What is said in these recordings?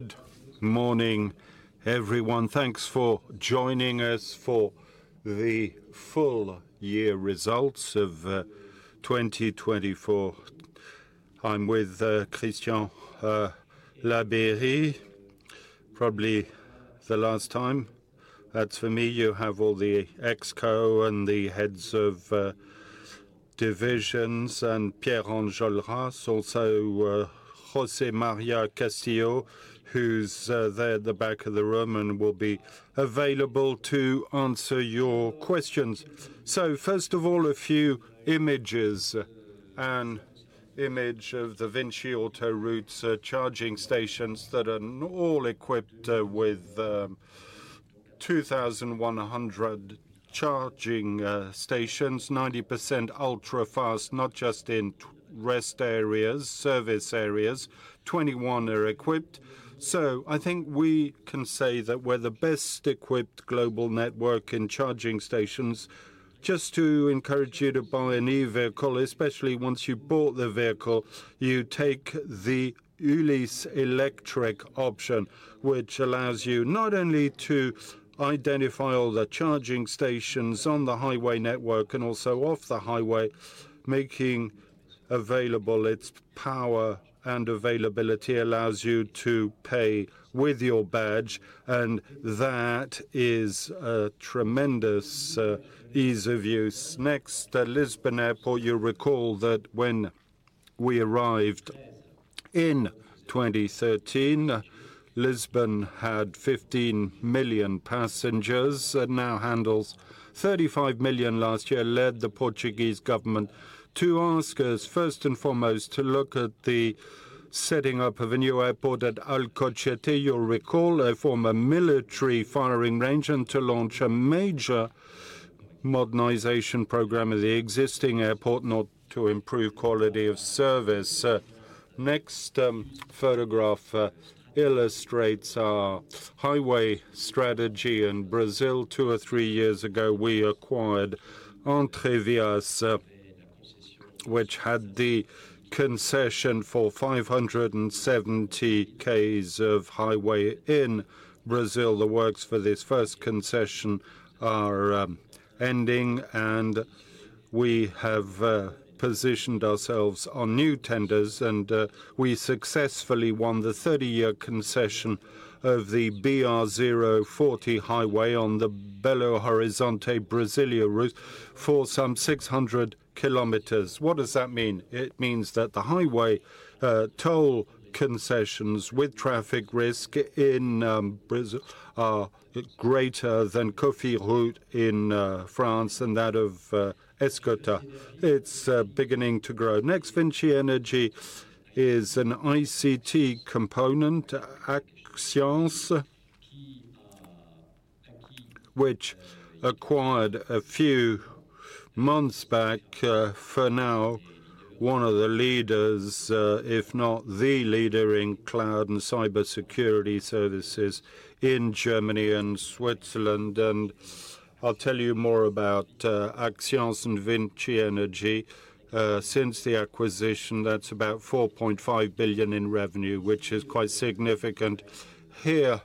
Good morning, everyone. Thanks for joining us for the full-year results of 2024. I'm with Christian Labeyrie, probably the last time. That's for me. You have all the ExCo and the heads of divisions, and Pierre Anjolras, also José María Castillo, who's there at the back of the room and will be available to answer your questions. So, first of all, a few images. An image of the Vinci Autoroutes charging stations that are all equipped with 2,100 charging stations, 90% ultra-fast, not just in rest areas, service areas. 21 are equipped. So I think we can say that we're the best-equipped global network in charging stations. Just to encourage you to buy a new vehicle, especially once you bought the vehicle, you take the Ulys electric option, which allows you not only to identify all the charging stations on the highway network and also off the highway, making available its power and availability allows you to pay with your badge, and that is a tremendous ease of use. Next, Lisbon Airport. You'll recall that when we arrived in 2013, Lisbon had 15 million passengers and now handles 35 million last year, led the Portuguese government to ask us, first and foremost, to look at the setting up of a new airport at Alcochete. You'll recall a former military firing range and to launch a major modernization program of the existing airport, not to improve quality of service. Next photograph illustrates our highway strategy in Brazil. Two or three years ago, we acquired Entrevias, which had the concession for 570 km of highway in Brazil. The works for this first concession are ending, and we have positioned ourselves on new tenders, and we successfully won the 30-year concession of the BR-040 highway on the Belo Horizonte-Brasilia route for some 600 km. What does that mean? It means that the highway toll concessions with traffic risk in Brazil are greater than Cofiroute in France and that of Escota. It's beginning to grow. Next, Vinci Energies is an ICT component, Axians, which acquired a few months back, for now one of the leaders, if not the leader, in cloud and cybersecurity services in Germany and Switzerland. And I'll tell you more about Axians and Vinci Energies. Since the acquisition, that's about €4.5 billion in revenue, which is quite significant. Here,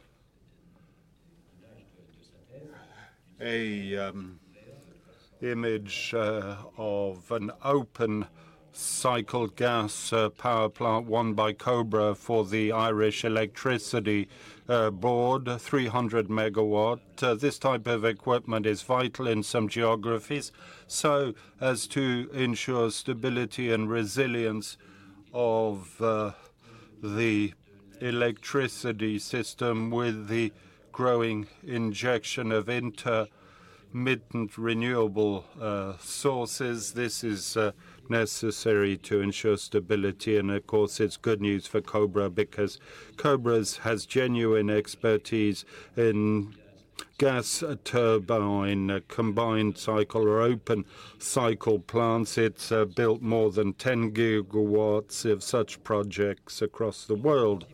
an image of an open cycle gas power plant won by Cobra for the Irish Electricity Board, 300 megawatts. This type of equipment is vital in some geographies. So, as to ensure stability and resilience of the electricity system with the growing injection of intermittent renewable sources, this is necessary to ensure stability. And of course, it's good news for Cobra because Cobra has genuine expertise in gas turbine combined cycle or open cycle plants. It's built more than 10 gigawatts of such projects across the world.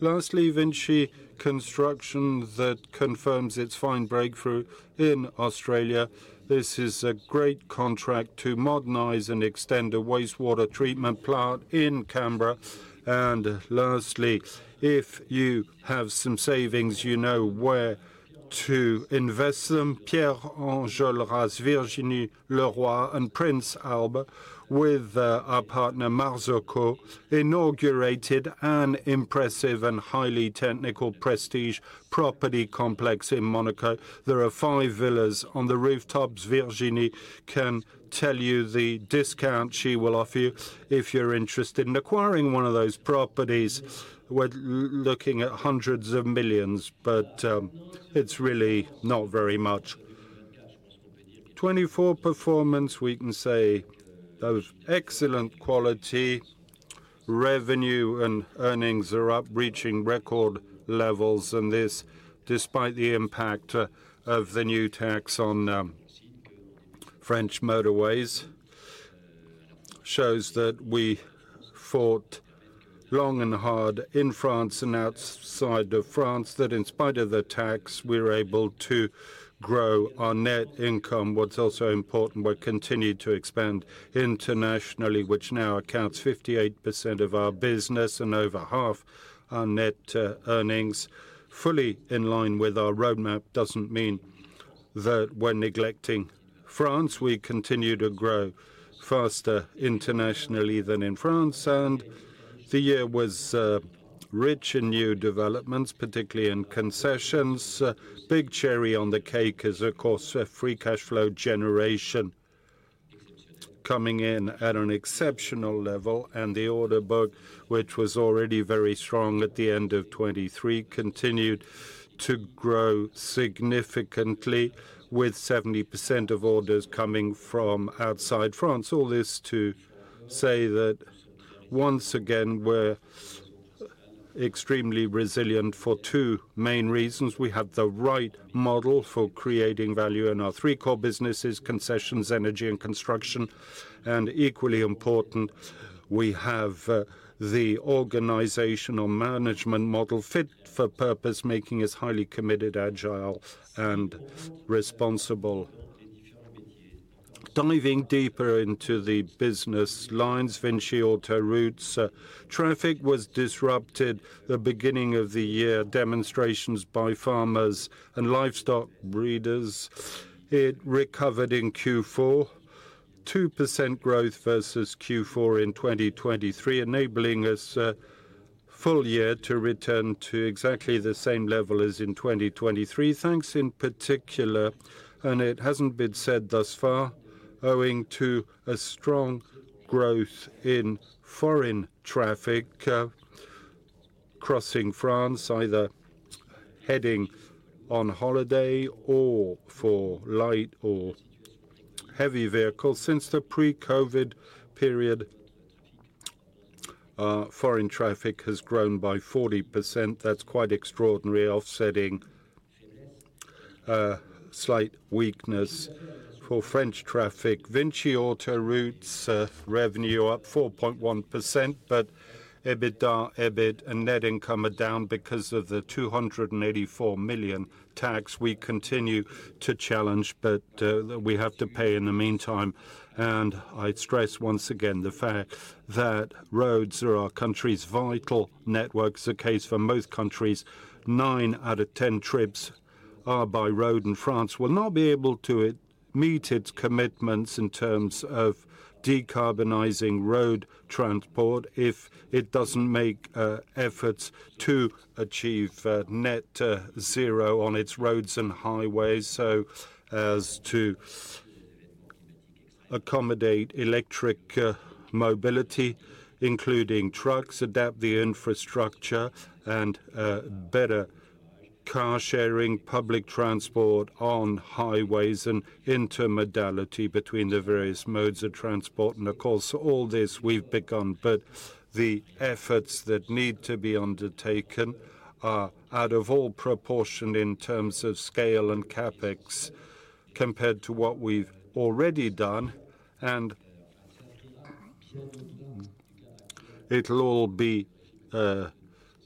Lastly, Vinci Construction that confirms its fine breakthrough in Australia. This is a great contract to modernize and extend a wastewater treatment plant in Canberra. And lastly, if you have some savings, you know where to invest them. Pierre Anjolras, Virginie Leroy, and Prince Albert, with our partner Marzocco, inaugurated an impressive and highly technical prestige property complex in Monaco. There are five villas on the rooftops. Virginie can tell you the discount she will offer you if you're interested in acquiring one of those properties. We're looking at hundreds of millions, but it's really not very much. 2024 performance, we can say, of excellent quality. Revenue and earnings are up, reaching record levels. And this, despite the impact of the new tax on French motorways, shows that we fought long and hard in France and outside of France, that in spite of the tax, we were able to grow our net income. What's also important, we continue to expand internationally, which now accounts for 58% of our business and over half our net earnings. Fully in line with our roadmap doesn't mean that we're neglecting France. We continue to grow faster internationally than in France. And the year was rich in new developments, particularly in concessions. Big cherry on the cake is, of course, free cash flow generation coming in at an exceptional level. And the order book, which was already very strong at the end of 2023, continued to grow significantly, with 70% of orders coming from outside France. All this to say that once again, we're extremely resilient for two main reasons. We have the right model for creating value in our three core businesses: concessions, energy, and construction. And equally important, we have the organizational management model fit for purpose, making us highly committed, agile, and responsible. Diving deeper into the business lines, Vinci Autoroutes traffic was disrupted at the beginning of the year, demonstrations by farmers and livestock breeders. It recovered in Q4, 2% growth versus Q4 in 2023, enabling us full year to return to exactly the same level as in 2023. Thanks in particular, and it hasn't been said thus far, owing to a strong growth in foreign traffic crossing France, either heading on holiday or for light or heavy vehicles. Since the pre-COVID period, foreign traffic has grown by 40%. That's quite extraordinary, offsetting slight weakness for French traffic. Vinci Autoroutes revenue up 4.1%, but EBITDA, EBIT, and net income are down because of the 284 million tax. We continue to challenge, but we have to pay in the meantime. And I stress once again the fact that roads are our country's vital network. It's the case for most countries. Nine out of ten trips are by road, and France will not be able to meet its commitments in terms of decarbonizing road transport if it doesn't make efforts to achieve net zero on its roads and highways. As to accommodate electric mobility, including trucks, adapt the infrastructure, and better car-sharing, public transport on highways, and intermodality between the various modes of transport. And of course, all this we've begun, but the efforts that need to be undertaken are out of all proportion in terms of scale and CapEx compared to what we've already done. And it'll all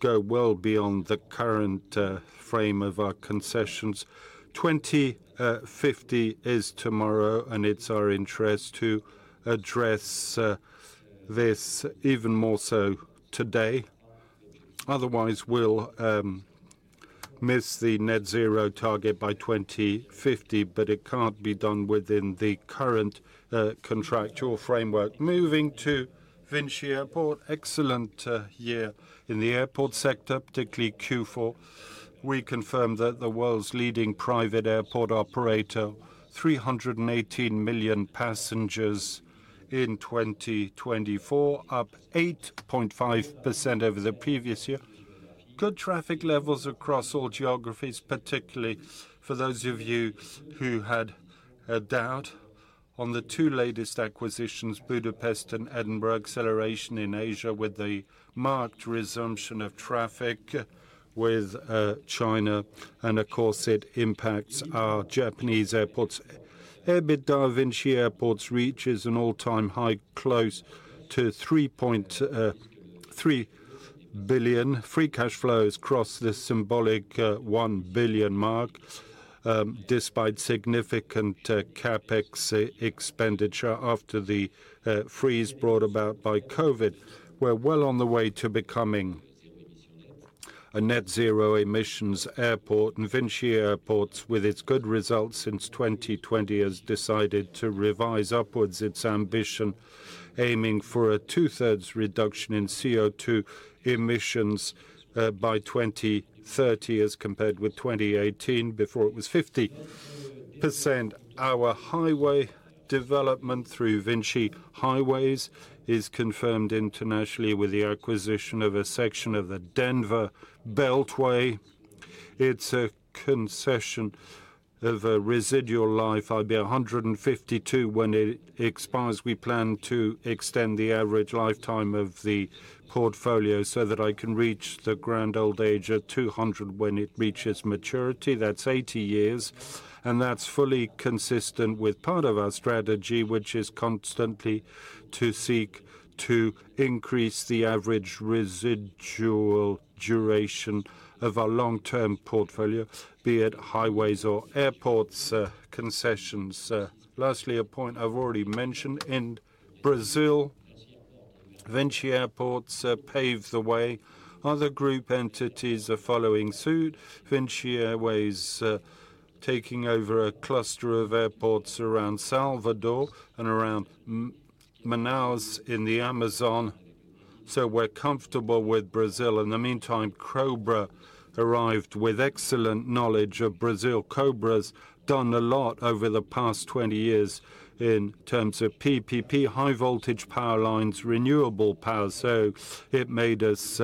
go well beyond the current frame of our concessions. 2050 is tomorrow, and it's our interest to address this even more so today. Otherwise, we'll miss the Net Zero target by 2050, but it can't be done within the current contractual framework. Moving to Vinci Airports, excellent year in the airport sector, particularly Q4. We confirmed that the world's leading private airport operator, 318 million passengers in 2024, up 8.5% over the previous year. Good traffic levels across all geographies, particularly for those of you who had a doubt on the two latest acquisitions, Budapest and Edinburgh. Acceleration in Asia with the marked resumption of traffic with China. Of course, it impacts our Japanese airports. EBITDA of Vinci Airports reaches an all-time high close to 3.3 billion. Free cash flows cross the symbolic 1 billion mark despite significant CapEx expenditure after the freeze brought about by COVID. We're well on the way to becoming a net zero emissions airport. Vinci Airports, with its good results since 2020, has decided to revise upwards its ambition, aiming for a two-thirds reduction in CO2 emissions by 2030 as compared with 2018, before it was 50%. Our highway development through Vinci Highways is confirmed internationally with the acquisition of a section of the Denver Beltway. It's a concession of residual life, IBR 152. When it expires, we plan to extend the average lifetime of the portfolio so that I can reach the grand old age of 200 when it reaches maturity. That's 80 years. And that's fully consistent with part of our strategy, which is constantly to seek to increase the average residual duration of our long-term portfolio, be it highways or airports concessions. Lastly, a point I've already mentioned in Brazil, Vinci Airports paves the way. Other group entities are following suit. Vinci Airports taking over a cluster of airports around Salvador and around Manaus in the Amazon. So we're comfortable with Brazil. In the meantime, Cobra arrived with excellent knowledge of Brazil. Cobra's done a lot over the past 20 years in terms of PPP, high-voltage power lines, renewable power. So it made us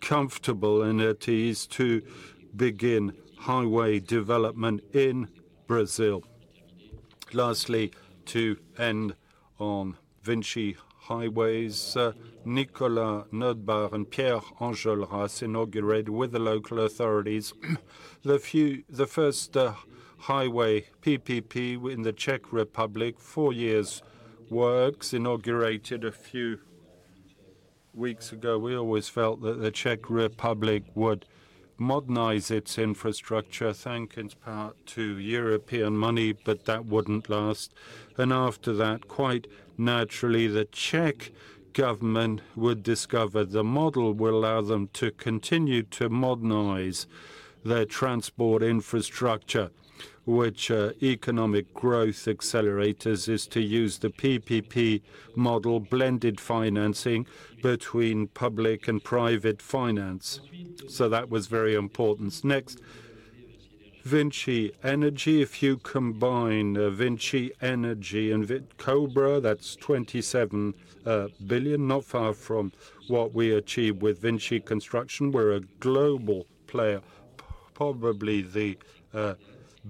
comfortable and at ease to begin highway development in Brazil. Lastly, to end on Vinci Highways, Nicolas Notebaert and Pierre Anjolras inaugurated with the local authorities the first highway PPP in the Czech Republic. Four years' work, inaugurated a few weeks ago. We always felt that the Czech Republic would modernize its infrastructure. Thanks to European money, but that wouldn't last. And after that, quite naturally, the Czech government would discover the model will allow them to continue to modernize their transport infrastructure, which economic growth accelerators is to use the PPP model, blended financing between public and private finance. So that was very important. Next, Vinci Energies. If you combine Vinci Energies and Cobra, that's 27 billion, not far from what we achieve with Vinci Construction. We're a global player, probably the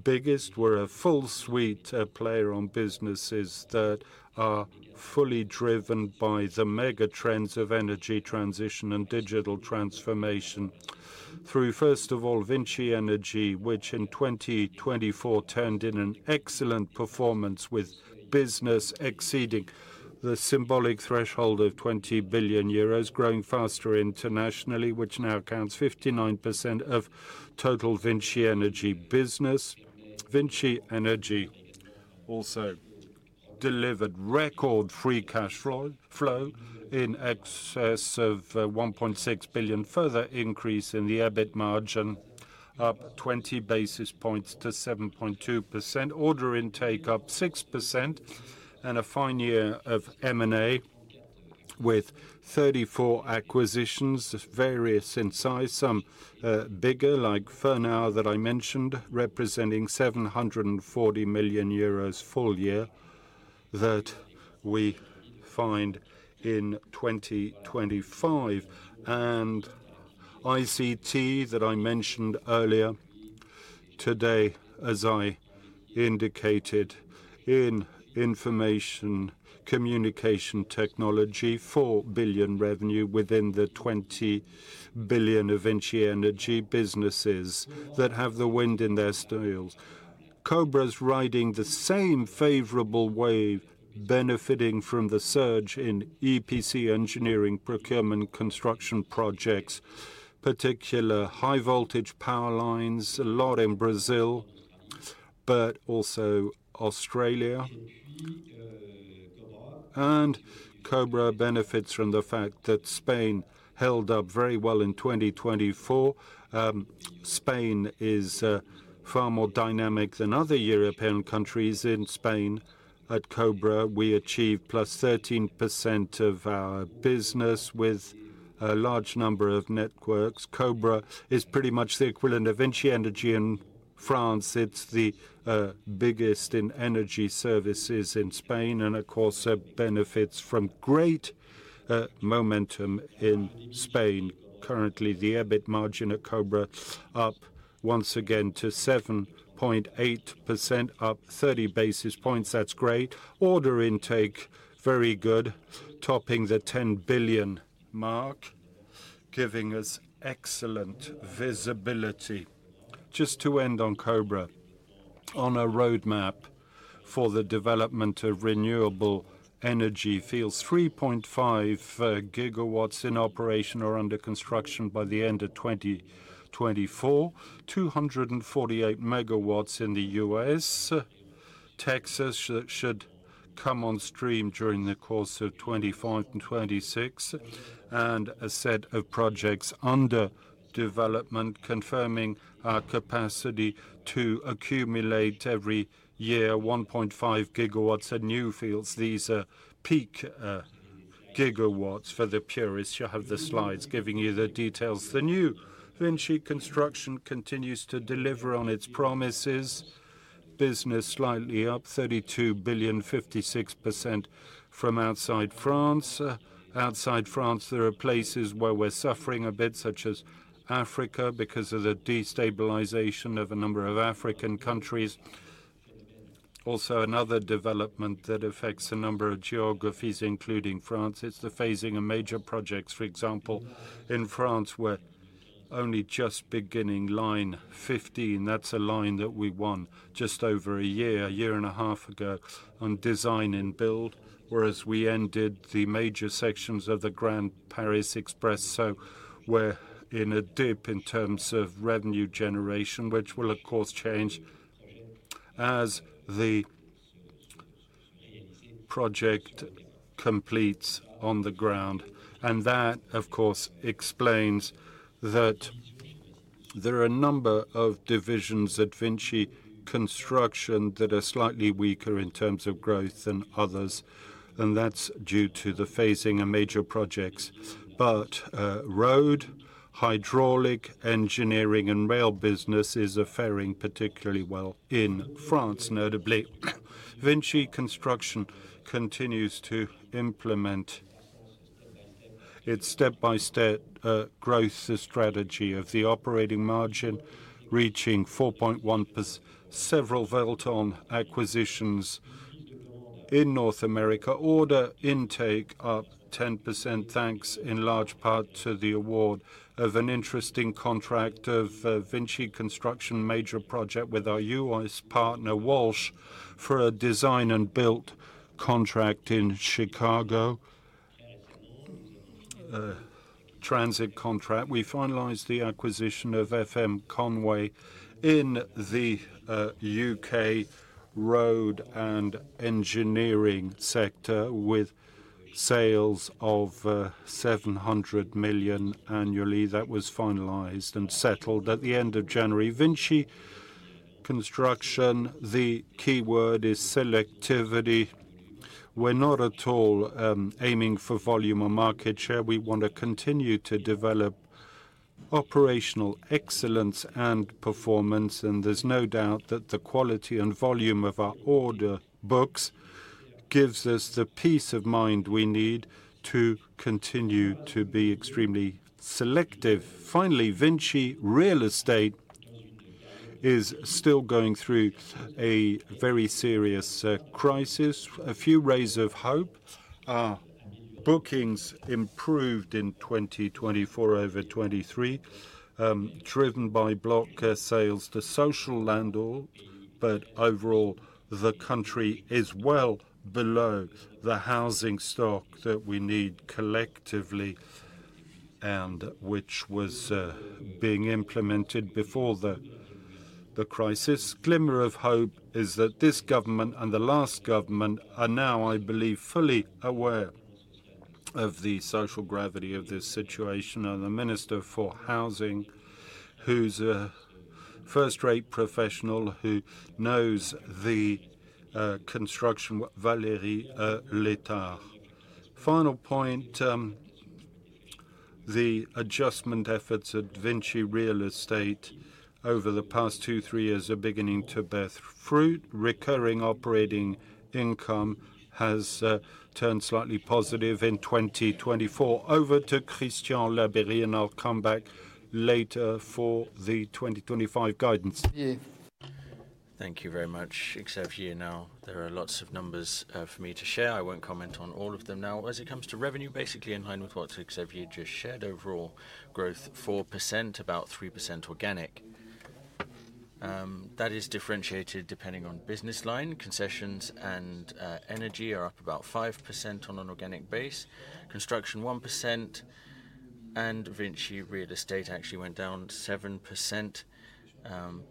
biggest. We're a full-suite player on businesses that are fully driven by the mega trends of energy transition and digital transformation through, first of all, Vinci Energies, which in 2024 turned in an excellent performance with business exceeding the symbolic threshold of 20 billion euros, growing faster internationally, which now accounts for 59% of total Vinci Energies business. Vinci Energies also delivered record free cash flow in excess of 1.6 billion, further increase in the EBIT margin, up 20 basis points to 7.2%. Order intake up 6% and a fine year of M&A with 34 acquisitions, various in size, some bigger like Fernao that I mentioned, representing 740 million euros full year that we find in 2025. And ICT that I mentioned earlier today, as I indicated in information communication technology, 4 billion revenue within the 20 billion of Vinci Energies businesses that have the wind in their sails. Cobra's riding the same favorable wave, benefiting from the surge in EPC engineering procurement construction projects, particularly high-voltage power lines, a lot in Brazil, but also Australia, and Cobra benefits from the fact that Spain held up very well in 2024. Spain is far more dynamic than other European countries. In Spain, at Cobra, we achieved plus 13% of our business with a large number of networks. Cobra is pretty much the equivalent of Vinci Energies in France. It's the biggest in energy services in Spain. And of course, it benefits from great momentum in Spain. Currently, the EBIT margin at Cobra up once again to 7.8%, up 30 basis points. That's great. Order intake, very good, topping the 10 billion mark, giving us excellent visibility. Just to end on Cobra, on our roadmap for the development of renewable energy fields, 3.5 gigawatts in operation or under construction by the end of 2024, 248 megawatts in the US, Texas that should come on stream during the course of 2025 and 2026, and a set of projects under development confirming our capacity to accumulate every year 1.5 gigawatts at new fields. These are peak gigawatts for the purist. You have the slides giving you the details. The new Vinci Construction continues to deliver on its promises. Business slightly up, 32 billion, 56% from outside France. Outside France, there are places where we're suffering a bit, such as Africa, because of the destabilization of a number of African countries. Also, another development that affects a number of geographies, including France, is the phasing of major projects. For example, in France, we're only just beginning line 15. That's a line that we won just over a year, a year and a half ago on design and build, whereas we ended the major sections of the Grand Paris Express. So we're in a dip in terms of revenue generation, which will, of course, change as the project completes on the ground. That, of course, explains that there are a number of divisions at Vinci Construction that are slightly weaker in terms of growth than others. That's due to the phasing of major projects. Road, hydraulic, engineering, and rail businesses are faring particularly well in France, notably. Vinci Construction continues to implement its step-by-step growth strategy of the operating margin reaching 4.1%, several bolt-on acquisitions in North America. Order intake up 10%, thanks in large part to the award of an interesting contract of Vinci Construction, major project with our U.S. partner Walsh for a design and build contract in Chicago, transit contract. We finalized the acquisition of FM Conway in the U.K. road and engineering sector with sales of 700 million annually. That was finalized and settled at the end of January. Vinci Construction, the key word is selectivity. We're not at all aiming for volume or market share. We want to continue to develop operational excellence and performance. And there's no doubt that the quality and volume of our order books gives us the peace of mind we need to continue to be extremely selective. Finally, Vinci Real Estate is still going through a very serious crisis. A few rays of hope. Our bookings improved in 2024 over 2023, driven by block sales, the social landlord, but overall, the country is well below the housing stock that we need collectively and which was being implemented before the crisis. Glimmer of hope is that this government and the last government are now, I believe, fully aware of the social gravity of this situation, and the Minister for Housing, who's a first-rate professional, who knows the construction, Valérie Létard. Final point, the adjustment efforts at Vinci Real Estate over the past two, three years are beginning to bear fruit. Recurring operating income has turned slightly positive in 2024. Over to Christian Labeyrie, and I'll come back later for the 2025 guidance. Thank you very much. Xavier, now there are lots of numbers for me to share. I won't comment on all of them now. As it comes to revenue, basically in line with what Xavier just shared, overall growth 4%, about 3% organic. That is differentiated depending on business line. Concessions and energy are up about 5% on an organic basis. Construction 1%. And Vinci Real Estate actually went down 7%.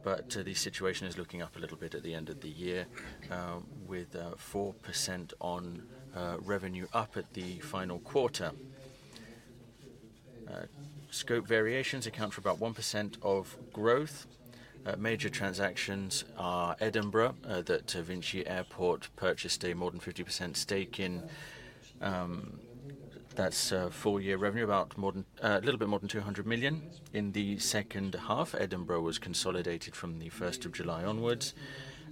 But the situation is looking up a little bit at the end of the year with 4% on revenue up at the final quarter. Scope variations account for about 1% of growth. Major transactions are Edinburgh that Vinci Airports purchased a more than 50% stake in. That's full year revenue, about a little bit more than 200 million in the second half. Edinburgh was consolidated from the 1st of July onwards.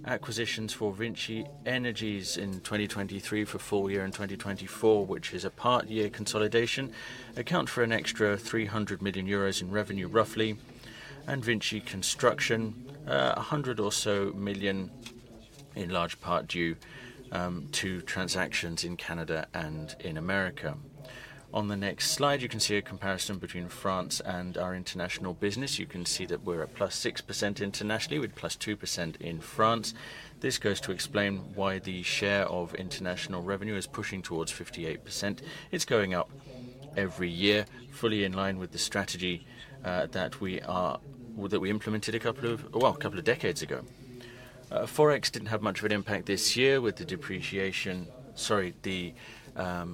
Acquisitions for Vinci Energies in 2023 for full year in 2024, which is a part-year consolidation, account for an extra 300 million euros in revenue roughly. Vinci Construction, 100 million or so in large part due to transactions in Canada and in America. On the next slide, you can see a comparison between France and our international business. You can see that we're at +6% internationally with +2% in France. This goes to explain why the share of international revenue is pushing towards 58%. It's going up every year, fully in line with the strategy that we implemented a couple of, well, a couple of decades ago. Forex didn't have much of an impact this year with the depreciation. Sorry, the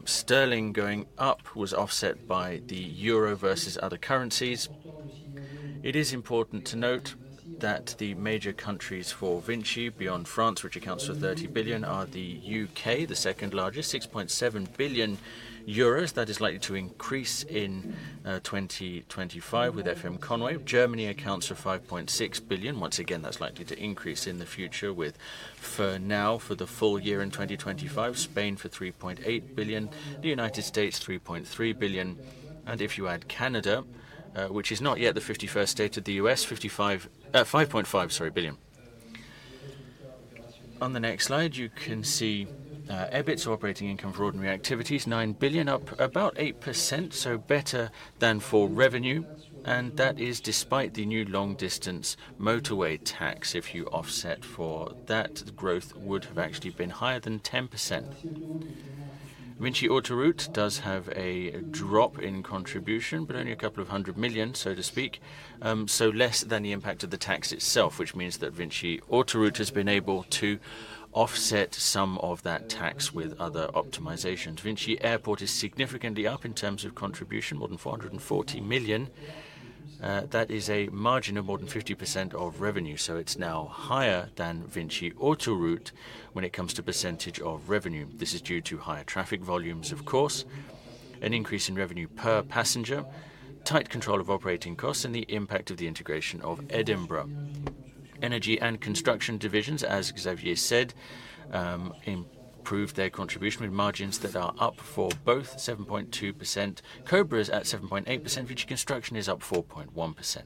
sterling going up was offset by the euro versus other currencies. It is important to note that the major countries for Vinci beyond France, which accounts for 30 billion, are the U.K., the second largest, 6.7 billion euros. That is likely to increase in 2025 with FM Conway. Germany accounts for 5.6 billion. Once again, that's likely to increase in the future with Fernao for the full year in 2025. Spain for 3.8 billion. The United States, 3.3 billion. And if you add Canada, which is not yet the 51st state of the U.S., 5.5 billion, sorry. On the next slide, you can see EBIT, operating income, for ordinary activities, 9 billion, up about 8%, so better than for revenue. And that is despite the new long-distance motorway tax. If you offset for that, the growth would have actually been higher than 10%. Vinci Autoroutes does have a drop in contribution, but only a couple of hundred million, so to speak, so less than the impact of the tax itself, which means that Vinci Autoroutes has been able to offset some of that tax with other optimizations. VINCI Airports is significantly up in terms of contribution, more than 440 million. That is a margin of more than 50% of revenue. So it's now higher than VINCI Autoroutes when it comes to percentage of revenue. This is due to higher traffic volumes, of course, an increase in revenue per passenger, tight control of operating costs, and the impact of the integration of Edinburgh. Energy and construction divisions, as Xavier said, improved their contribution with margins that are up for both 7.2%. Cobra IS is at 7.8%. VINCI Construction is up 4.1%.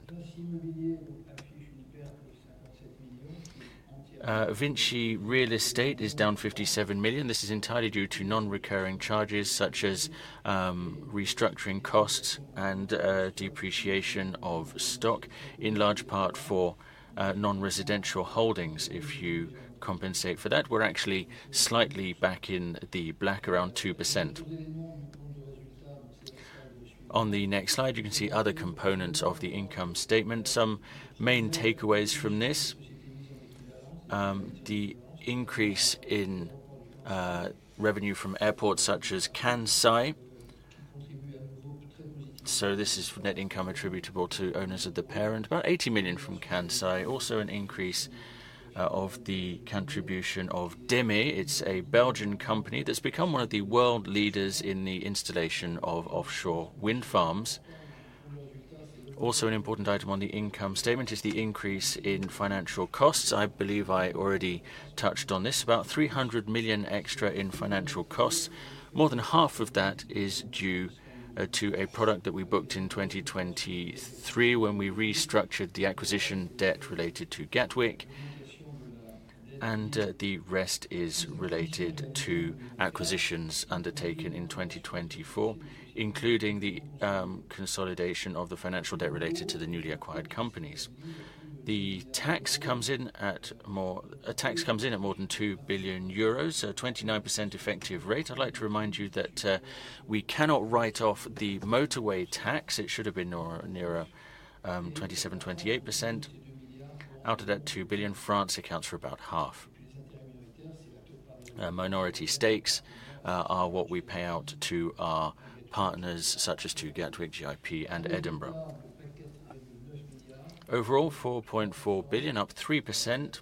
VINCI Real Estate is down 57 million. This is entirely due to non-recurring charges such as restructuring costs and depreciation of stock, in large part for non-residential holdings. If you compensate for that, we're actually slightly back in the black, around 2%. On the next slide, you can see other components of the income statement, some main takeaways from this. The increase in revenue from airports such as Kansai. So this is net income attributable to owners of the parent, about 80 million from Kansai, also an increase of the contribution of DEME. It's a Belgian company that's become one of the world leaders in the installation of offshore wind farms. Also an important item on the income statement is the increase in financial costs. I believe I already touched on this, about 300 million extra in financial costs. More than half of that is due to a product that we booked in 2023 when we restructured the acquisition debt related to Gatwick. And the rest is related to acquisitions undertaken in 2024, including the consolidation of the financial debt related to the newly acquired companies. The tax comes in at more than 2 billion euros, so 29% effective rate. I'd like to remind you that we cannot write off the motorway tax. It should have been nearer 27%-28%. Out of that 2 billion, France accounts for about half. Minority stakes are what we pay out to our partners, such as to Gatwick, GIP, and Edinburgh. Overall, 4.4 billion, up 3%.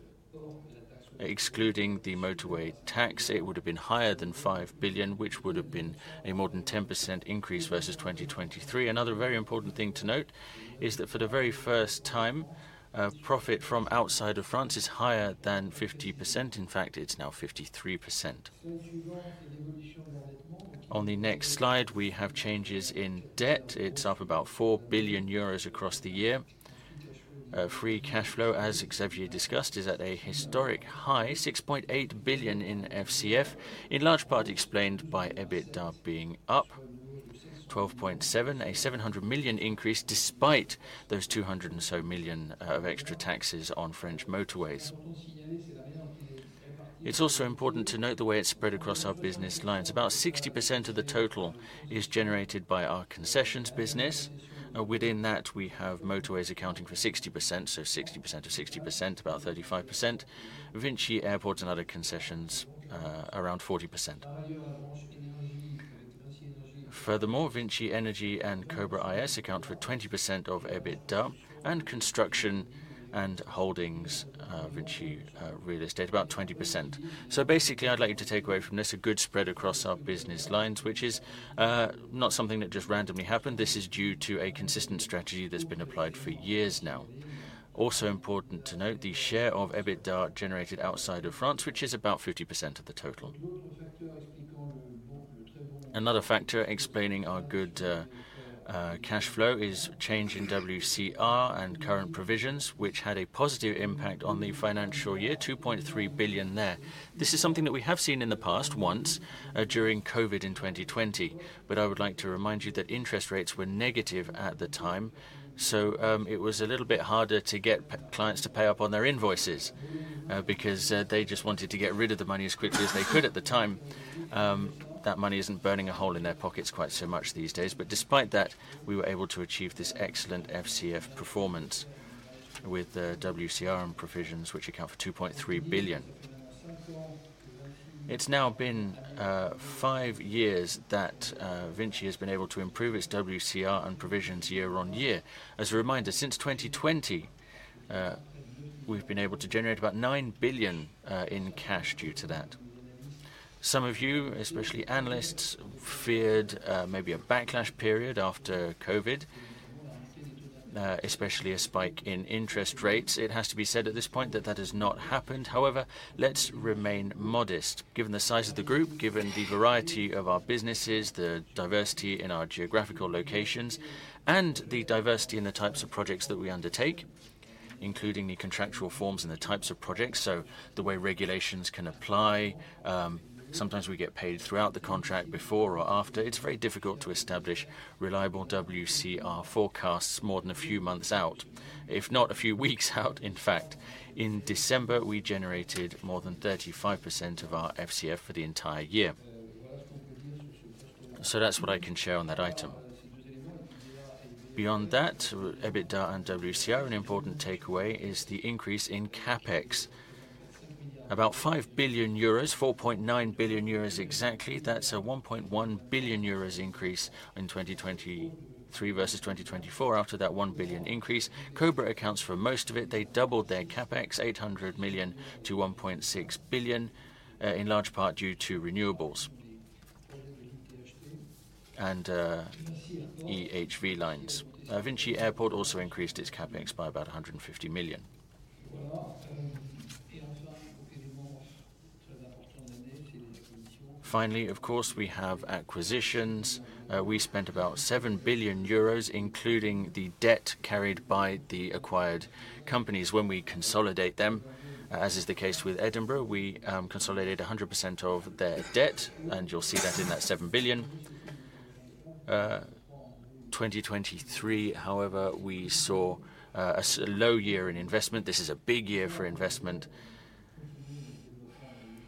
Excluding the motorway tax, it would have been higher than 5 billion, which would have been a more than 10% increase versus 2023. Another very important thing to note is that for the very first time, profit from outside of France is higher than 50%. In fact, it's now 53%. On the next slide, we have changes in debt. It's up about 4 billion euros across the year. Free cash flow, as Xavier discussed, is at a historic high, 6.8 billion in FCF, in large part explained by EBITDA being up 12.7%, a 700 million increase despite those 200 and so million of extra taxes on French motorways. It's also important to note the way it's spread across our business lines. About 60% of the total is generated by our concessions business. Within that, we have motorways accounting for 60%, so 60% of 60%, about 35%. Vinci Airports and other concessions, around 40%. Furthermore, Vinci Energies and Cobra IS account for 20% of EBITDA and construction and holdings, Vinci Real Estate, about 20%. So basically, I'd like you to take away from this a good spread across our business lines, which is not something that just randomly happened. This is due to a consistent strategy that's been applied for years now. Also important to note, the share of EBITDA generated outside of France, which is about 50% of the total. Another factor explaining our good cash flow is change in WCR and current provisions, which had a positive impact on the financial year, 2.3 billion there. This is something that we have seen in the past once during COVID in 2020. But I would like to remind you that interest rates were negative at the time. So it was a little bit harder to get clients to pay up on their invoices because they just wanted to get rid of the money as quickly as they could at the time. That money isn't burning a hole in their pockets quite so much these days. But despite that, we were able to achieve this excellent FCF performance with WCR and provisions, which account for 2.3 billion. It's now been five years that Vinci has been able to improve its WCR and provisions year on year. As a reminder, since 2020, we've been able to generate about 9 billion in cash due to that. Some of you, especially analysts, feared maybe a backlash period after COVID, especially a spike in interest rates. It has to be said at this point that that has not happened. However, let's remain modest, given the size of the group, given the variety of our businesses, the diversity in our geographical locations, and the diversity in the types of projects that we undertake, including the contractual forms and the types of projects. So the way regulations can apply, sometimes we get paid throughout the contract before or after. It's very difficult to establish reliable WCR forecasts more than a few months out, if not a few weeks out. In fact, in December, we generated more than 35% of our FCF for the entire year. So that's what I can share on that item. Beyond that, EBITDA and WCR, an important takeaway is the increase in CapEx, about 5 billion euros, 4.9 billion euros exactly. That's a 1.1 billion euros increase in 2023 versus 2024 after that 1 billion increase. Cobra accounts for most of it. They doubled their CapEx, 800 million to 1.6 billion, in large part due to renewables and EHV lines. Vinci Airport also increased its CapEx by about 150 million. Finally, of course, we have acquisitions. We spent about 7 billion euros, including the debt carried by the acquired companies when we consolidate them, as is the case with Edinburgh. We consolidated 100% of their debt, and you'll see that in that 7 billion. 2023, however, we saw a low year in investment. This is a big year for investment.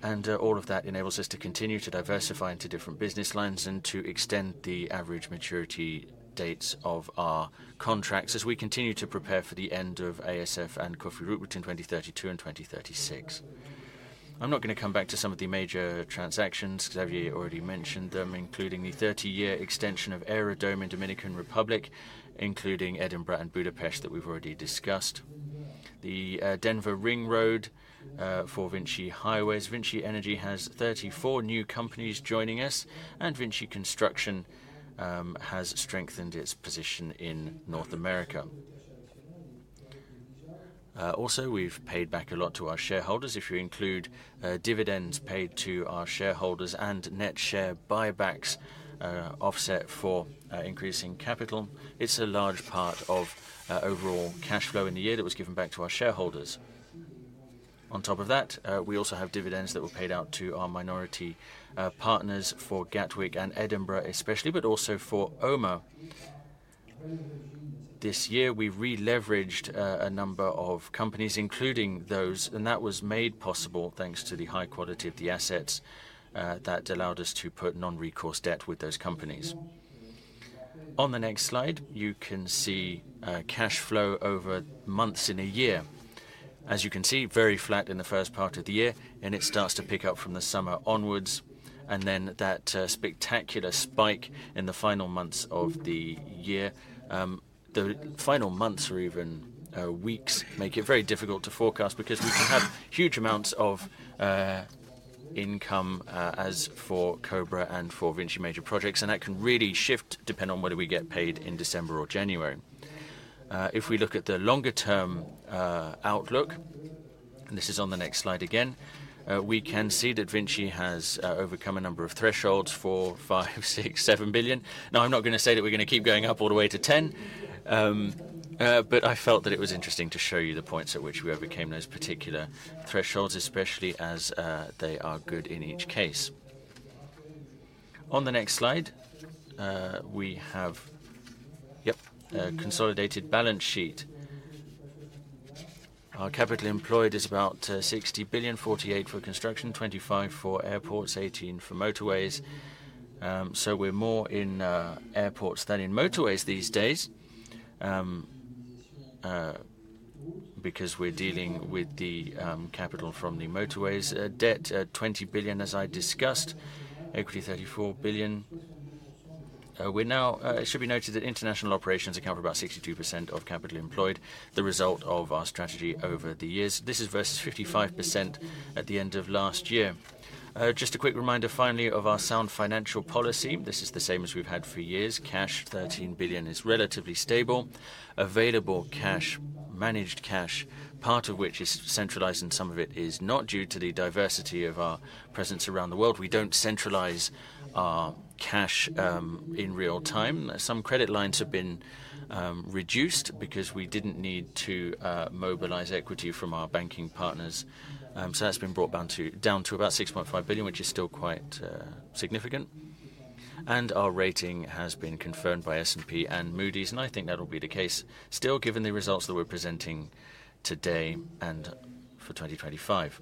And all of that enables us to continue to diversify into different business lines and to extend the average maturity dates of our contracts as we continue to prepare for the end of ASF and Cofiroute between 2032 and 2036. I'm not going to come back to some of the major transactions. Xavier already mentioned them, including the 30-year extension of Aerodom in Dominican Republic, including Edinburgh and Budapest that we've already discussed. The Denver Ring Road for Vinci Highways. Vinci Energies has 34 new companies joining us, and Vinci Construction has strengthened its position in North America. Also, we've paid back a lot to our shareholders. If you include dividends paid to our shareholders and net share buybacks offset for increasing capital, it's a large part of overall cash flow in the year that was given back to our shareholders. On top of that, we also have dividends that were paid out to our minority partners for Gatwick and Edinburgh especially, but also for OMA. This year, we re-leveraged a number of companies, including those, and that was made possible thanks to the high quality of the assets that allowed us to put non-recourse debt with those companies. On the next slide, you can see cash flow over months in a year. As you can see, very flat in the first part of the year, and it starts to pick up from the summer onwards, and then that spectacular spike in the final months of the year, the final months or even weeks make it very difficult to forecast because we can have huge amounts of income as for Cobra and for Vinci major projects, and that can really shift depending on whether we get paid in December or January. If we look at the longer-term outlook, and this is on the next slide again, we can see that Vinci has overcome a number of thresholds for 5 billion, 6 billion, 7 billion. Now, I'm not going to say that we're going to keep going up all the way to 10 billion, but I felt that it was interesting to show you the points at which we overcame those particular thresholds, especially as they are good in each case. On the next slide, we have, yep, a consolidated balance sheet. Our capital employed is about 60 billion, 48 billion for construction, 25 billion for airports, 18 billion for motorways. So we're more in airports than in motorways these days because we're dealing with the capital from the motorways debt, 20 billion, as I discussed, equity 34 billion. It should be noted that international operations account for about 62% of capital employed, the result of our strategy over the years. This is versus 55% at the end of last year. Just a quick reminder finally of our sound financial policy. This is the same as we've had for years. Cash, 13 billion, is relatively stable. Available cash, managed cash, part of which is centralized and some of it is not due to the diversity of our presence around the world. We don't centralize our cash in real time. Some credit lines have been reduced because we didn't need to mobilize equity from our banking partners. So that's been brought down to about 6.5 billion, which is still quite significant, and our rating has been confirmed by S&P and Moody's, and I think that will be the case still given the results that we're presenting today and for 2025.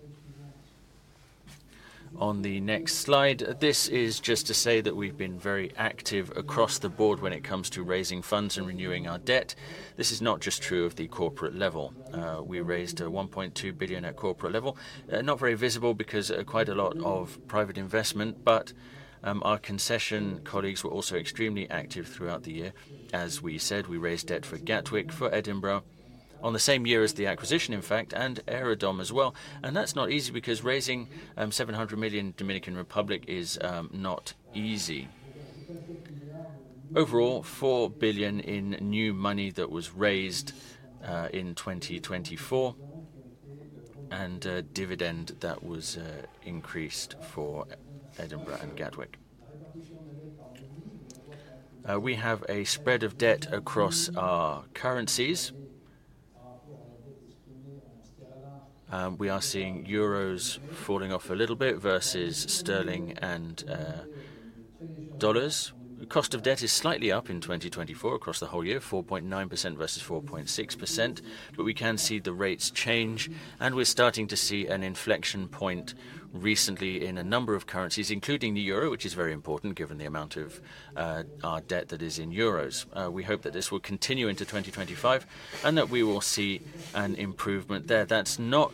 On the next slide, this is just to say that we've been very active across the board when it comes to raising funds and renewing our debt. This is not just true of the corporate level. We raised 1.2 billion at corporate level. Not very visible because quite a lot of private investment, but our concession colleagues were also extremely active throughout the year. As we said, we raised debt for Gatwick, for Edinburgh, on the same year as the acquisition, in fact, and Aerodom as well, and that's not easy because raising $700 million Dominican Republic is not easy. Overall, 4 billion in new money that was raised in 2024 and dividend that was increased for Edinburgh and Gatwick. We have a spread of debt across our currencies. We are seeing euros falling off a little bit versus sterling and dollars. The cost of debt is slightly up in 2024 across the whole year, 4.9% versus 4.6%, but we can see the rates change, and we're starting to see an inflection point recently in a number of currencies, including the euro, which is very important given the amount of our debt that is in euros. We hope that this will continue into 2025 and that we will see an improvement there. That's not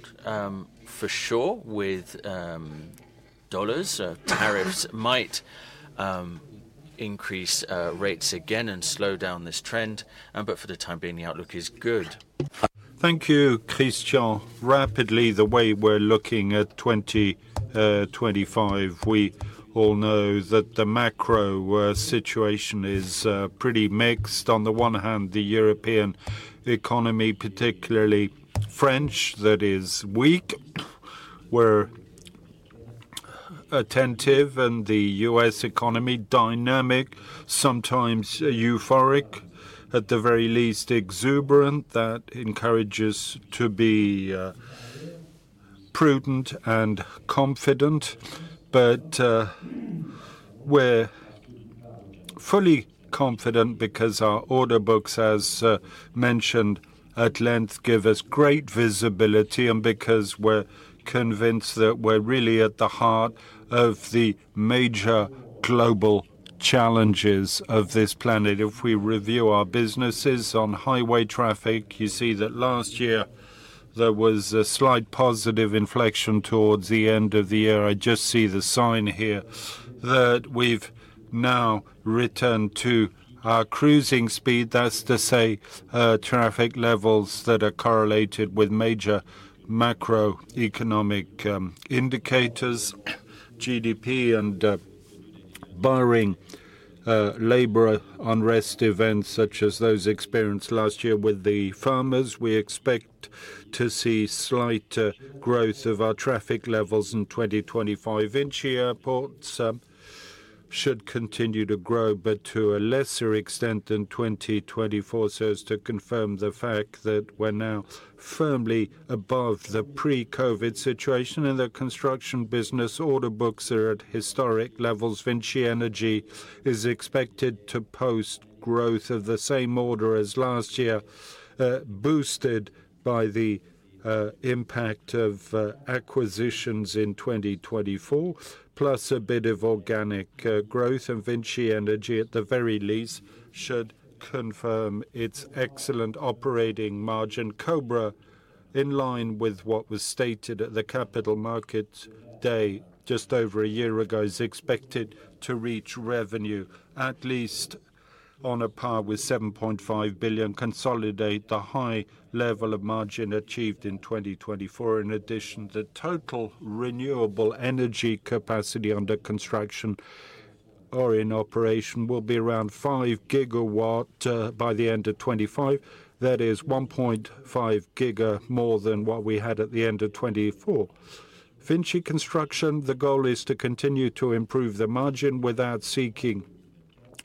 for sure with dollars. Tariffs might increase rates again and slow down this trend, but for the time being, the outlook is good. Thank you, Christian. Rapidly, the way we're looking at 2025, we all know that the macro situation is pretty mixed. On the one hand, the European economy, particularly French, that is weak. We're attentive, and the U.S. economy, dynamic, sometimes euphoric, at the very least exuberant. That encourages us to be prudent and confident, but we're fully confident because our order books, as mentioned at length, give us great visibility and because we're convinced that we're really at the heart of the major global challenges of this planet. If we review our businesses on highway traffic, you see that last year there was a slight positive inflection towards the end of the year. I just see the sign here that we've now returned to our cruising speed. That's to say traffic levels that are correlated with major macroeconomic indicators, GDP, and barring labor unrest events such as those experienced last year with the farmers, we expect to see slight growth of our traffic levels in 2025. Vinci Airports should continue to grow, but to a lesser extent in 2024. So as to confirm the fact that we're now firmly above the pre-COVID situation and the construction business order books are at historic levels, Vinci Energies is expected to post growth of the same order as last year, boosted by the impact of acquisitions in 2024, plus a bit of organic growth. And Vinci Energies, at the very least, should confirm its excellent operating margin. Cobra IS, in line with what was stated at the Capital Markets Day just over a year ago, is expected to reach revenue at least on a par with 7.5 billion, consolidate the high level of margin achieved in 2024. In addition, the total renewable energy capacity under construction or in operation will be around 5 gigawatts by the end of 2025. That is 1.5 gigawatts more than what we had at the end of 2024. Vinci Construction, the goal is to continue to improve the margin without seeking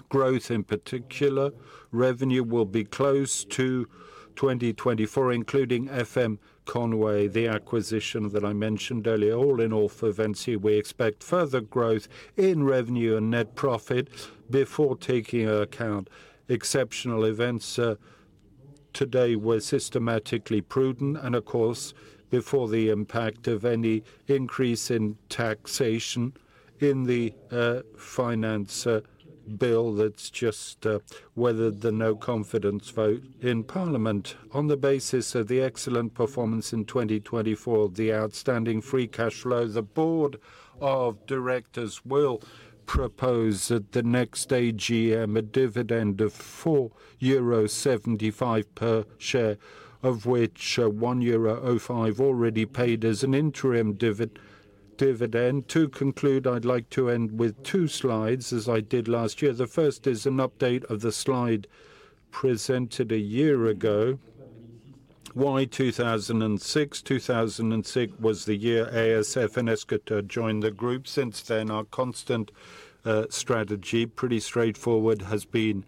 growth. In particular, revenue will be close to 2024, including FM Conway, the acquisition that I mentioned earlier, all in all for Vinci. We expect further growth in revenue and net profit before taking into account exceptional events. To date, we were systematically prudent and, of course, before the impact of any increase in taxation in the finance bill that's just weathered the no-confidence vote in Parliament. On the basis of the excellent performance in 2024, the outstanding free cash flow, the Board of Directors will propose at the next AGM a dividend of 4.75 euro per share, of which 1.05 euro already paid as an interim dividend. To conclude, I'd like to end with two slides as I did last year. The first is an update of the slide presented a year ago. Why 2006? 2006 was the year ASF and Escota joined the group. Since then, our constant strategy, pretty straightforward, has been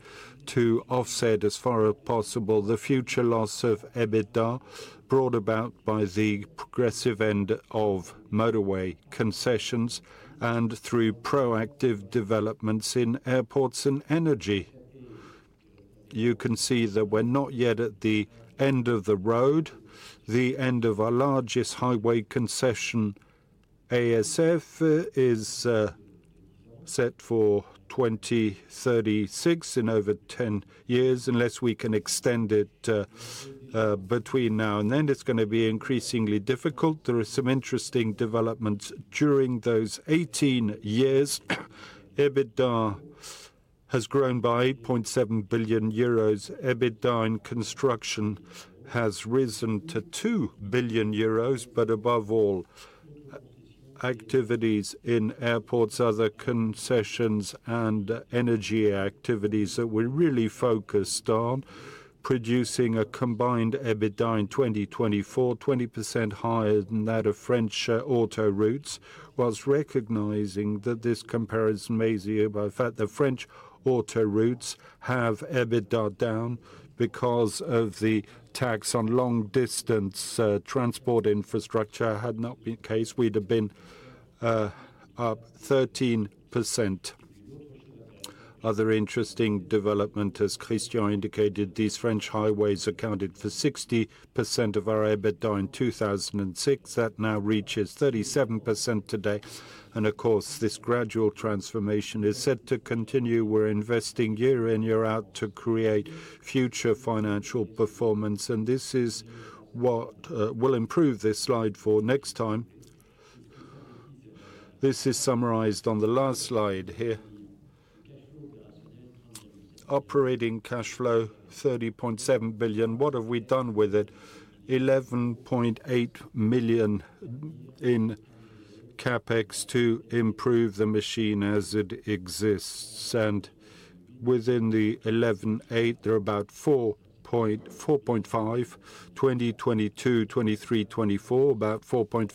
to offset as far as possible the future loss of EBITDA brought about by the progressive end of motorway concessions and through proactive developments in airports and energy. You can see that we're not yet at the end of the road. The end of our largest highway concession, ASF, is set for 2036 in over 10 years. Unless we can extend it between now and then, it's going to be increasingly difficult. There are some interesting developments during those 18 years. EBITDA has grown by 8.7 billion euros. EBITDA in construction has risen to 2 billion euros, but above all, activities in airports, other concessions, and energy activities that we're really focused on. Producing a combined EBITDA in 2024, 20% higher than that of French autoroutes, while recognizing that this comparison may be zero. In fact, the French autoroutes have EBITDA down because of the tax on long-distance transport infrastructure. Had that not been the case, we'd have been up 13%. Other interesting development, as Christian indicated, these French highways accounted for 60% of our EBITDA in 2006. That now reaches 37% today. Of course, this gradual transformation is set to continue. We're investing year in, year out to create future financial performance. This is what will improve this slide for next time. This is summarized on the last slide here. Operating cash flow, 30.7 billion. What have we done with it? 11.8 billion in CapEx to improve the machine as it exists. Within the 11.8, there are about 4.5 billion in 2022, 23, 24, about 4.5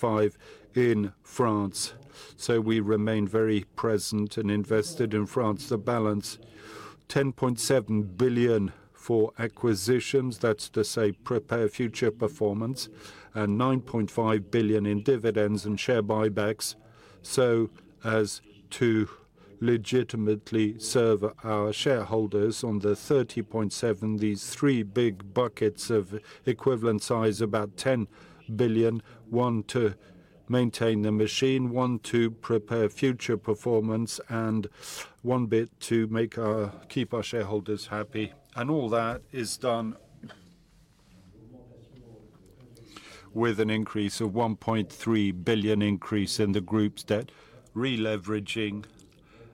billion in France. We remain very present and invested in France. The balance, 10.7 billion for acquisitions. That's to say prepare future performance and 9.5 billion in dividends and share buybacks. So as to legitimately serve our shareholders on the 30.7 billion, these three big buckets of equivalent size, about 10 billion, one to maintain the machine, one to prepare future performance, and one bit to keep our shareholders happy. And all that is done with an increase of 1.3 billion increase in the group's debt, releveraging.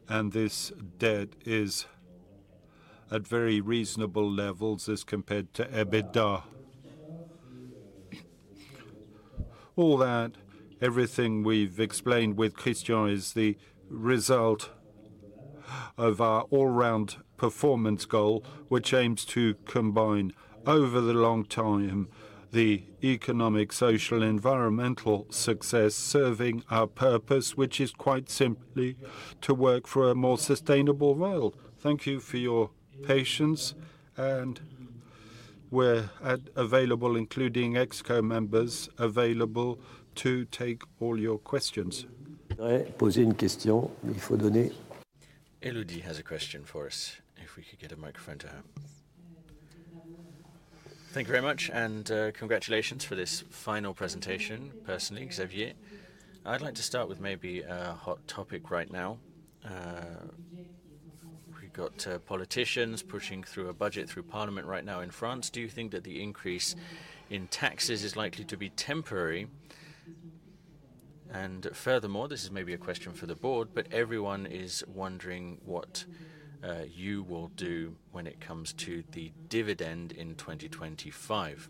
And this debt is at very reasonable levels as compared to EBITDA. All that, everything we've explained with Christian is the result of our all-round performance goal, which aims to combine over the long time the economic, social, and environmental success serving our purpose, which is quite simply to work for a more sustainable world. Thank you for your patience. We're available, including Exco members, available to take all your questions. Élodie has a question for us, if we could get a microphone to her. Thank you very much, and congratulations for this final presentation, personally, Xavier. I'd like to start with maybe a hot topic right now. We've got politicians pushing through a budget through Parliament right now in France. Do you think that the increase in taxes is likely to be temporary? And furthermore, this is maybe a question for the board, but everyone is wondering what you will do when it comes to the dividend in 2025.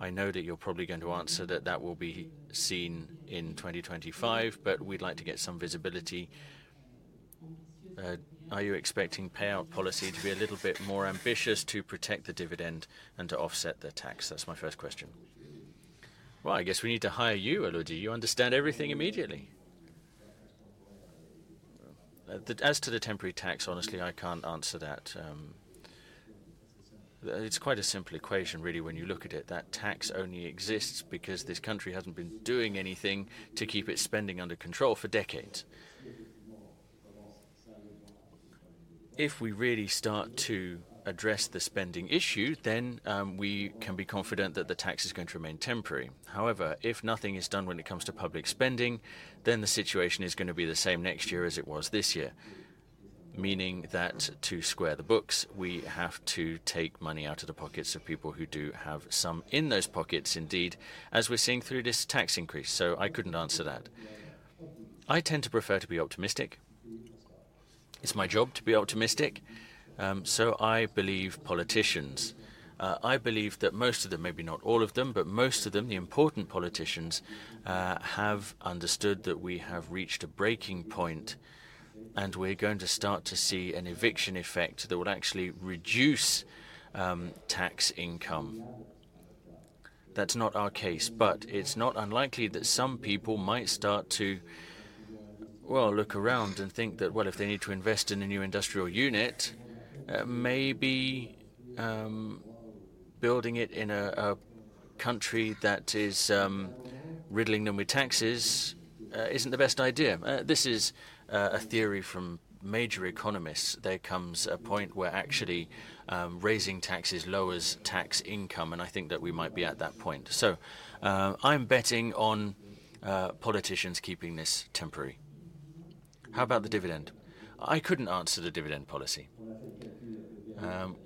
I know that you're probably going to answer that that will be seen in 2025, but we'd like to get some visibility. Are you expecting payout policy to be a little bit more ambitious to protect the dividend and to offset the tax? That's my first question. I guess we need to hire you, Élodie. You understand everything immediately. As to the temporary tax, honestly, I can't answer that. It's quite a simple equation, really, when you look at it. That tax only exists because this country hasn't been doing anything to keep its spending under control for decades. If we really start to address the spending issue, then we can be confident that the tax is going to remain temporary. However, if nothing is done when it comes to public spending, then the situation is going to be the same next year as it was this year, meaning that to square the books, we have to take money out of the pockets of people who do have some in those pockets, indeed, as we're seeing through this tax increase. So I couldn't answer that. I tend to prefer to be optimistic. It's my job to be optimistic. So I believe politicians, I believe that most of them, maybe not all of them, but most of them, the important politicians, have understood that we have reached a breaking point and we're going to start to see an eviction effect that will actually reduce tax income. That's not our case, but it's not unlikely that some people might start to, well, look around and think that, well, if they need to invest in a new industrial unit, maybe building it in a country that is riddling them with taxes isn't the best idea. This is a theory from major economists. There comes a point where actually raising taxes lowers tax income, and I think that we might be at that point. So I'm betting on politicians keeping this temporary. How about the dividend? I couldn't answer the dividend policy.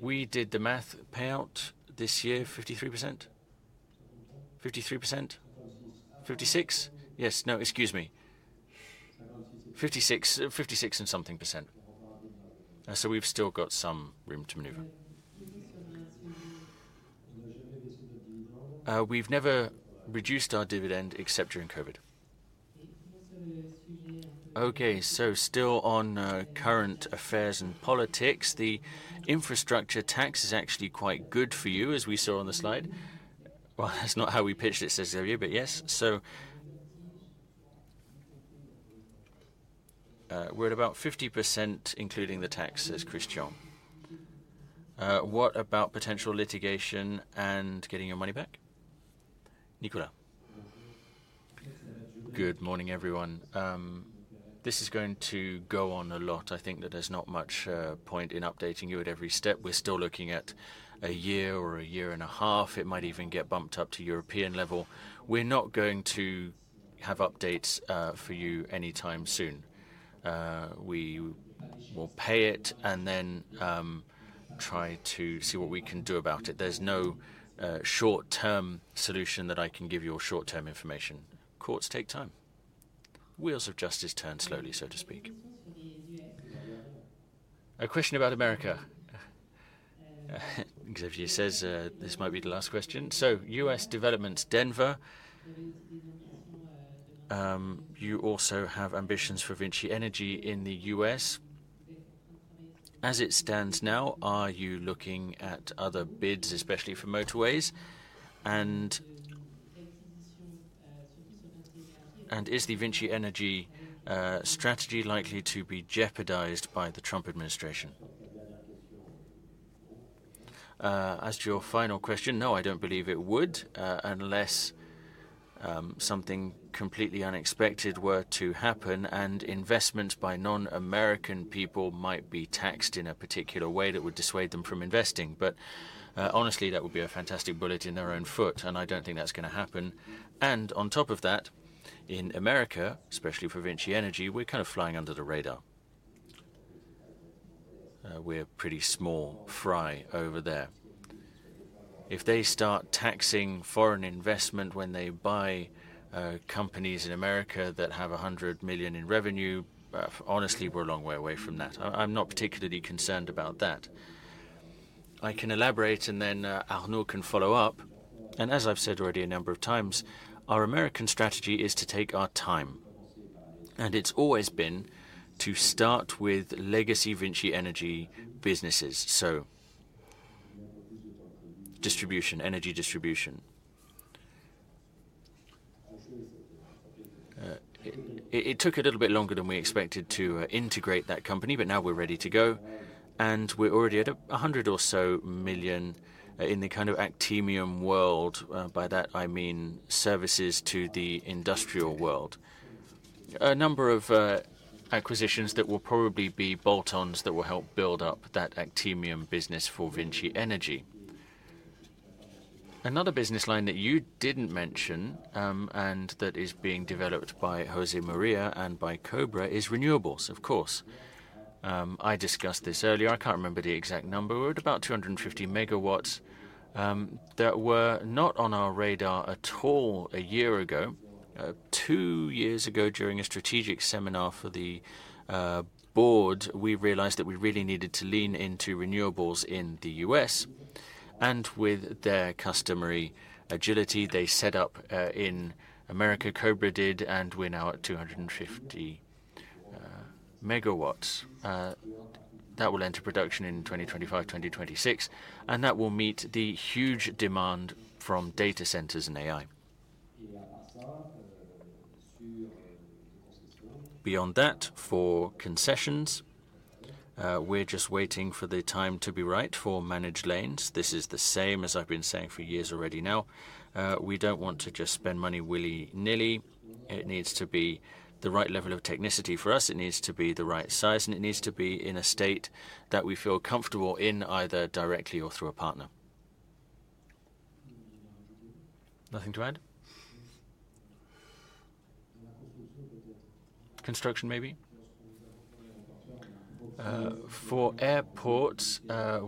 We did the math. Payout this year, 53%? 53%? 56? Yes. No, excuse me. 56 and something %. So we've still got some room to maneuver. We've never reduced our dividend except during COVID. Okay. Still on current affairs and politics, the infrastructure tax is actually quite good for you, as we saw on the slide. That's not how we pitched it, Xavier, but yes. So we're at about 50%, including the tax. What about potential litigation and getting your money back? Nicolas. Good morning, everyone. This is going to go on a lot. I think that there's not much point in updating you at every step. We're still looking at a year or a year and a half. It might even get bumped up to European level. We're not going to have updates for you anytime soon. We will pay it and then try to see what we can do about it. There's no short-term solution that I can give you or short-term information. Courts take time. Wheels of justice turn slowly, so to speak. A question about America. Xavier says this might be the last question. So U.S. development, Denver. You also have ambitions for Vinci Energies in the US. As it stands now, are you looking at other bids, especially for motorways? And is the Vinci Energies strategy likely to be jeopardized by the Trump administration? As to your final question, no, I don't believe it would unless something completely unexpected were to happen and investments by non-American people might be taxed in a particular way that would dissuade them from investing. But honestly, that would be a fantastic bullet in their own foot, and I don't think that's going to happen. On top of that, in America, especially for Vinci Energies, we're kind of flying under the radar. We're a pretty small fry over there. If they start taxing foreign investment when they buy companies in America that have $100 million in revenue, honestly, we're a long way away from that. I'm not particularly concerned about that. I can elaborate, and then Arnaud can follow up. As I've said already a number of times, our American strategy is to take our time. And it's always been to start with legacy Vinci Energies businesses. So distribution, energy distribution. It took a little bit longer than we expected to integrate that company, but now we're ready to go. And we're already at $100 million or so in the kind of Actemium world. By that, I mean services to the industrial world. A number of acquisitions that will probably be bolt-ons that will help build up that Actemium business for Vinci Energies. Another business line that you didn't mention and that is being developed by José María and by Cobra is renewables, of course. I discussed this earlier. I can't remember the exact number. We're at about 250 megawatts that were not on our radar at all a year ago. Two years ago, during a strategic seminar for the board, we realized that we really needed to lean into renewables in the U.S. And with their customary agility, they set up in America, Cobra did, and we're now at 250 megawatts. That will enter production in 2025, 2026, and that will meet the huge demand from data centers and AI. Beyond that, for concessions, we're just waiting for the time to be right for managed lanes. This is the same as I've been saying for years already now. We don't want to just spend money willy-nilly. It needs to be the right level of technicity for us. It needs to be the right size, and it needs to be in a state that we feel comfortable in, either directly or through a partner. Nothing to add? Construction, maybe? For airports,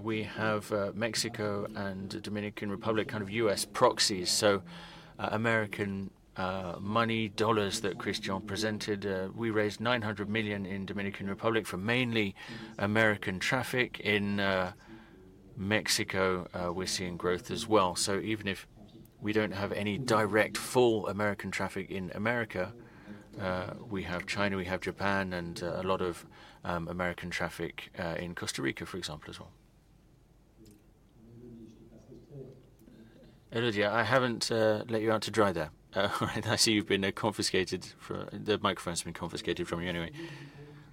we have Mexico and Dominican Republic, kind of U.S. proxies. So American money, dollars that Christian presented, we raised $900 million in Dominican Republic for mainly American traffic. In Mexico, we're seeing growth as well. So even if we don't have any direct full American traffic in America, we have China, we have Japan, and a lot of American traffic in Costa Rica, for example, as well. Élodie, I haven't let you out to dry there. All right. I see you've been confiscated. The microphone's been confiscated from you anyway.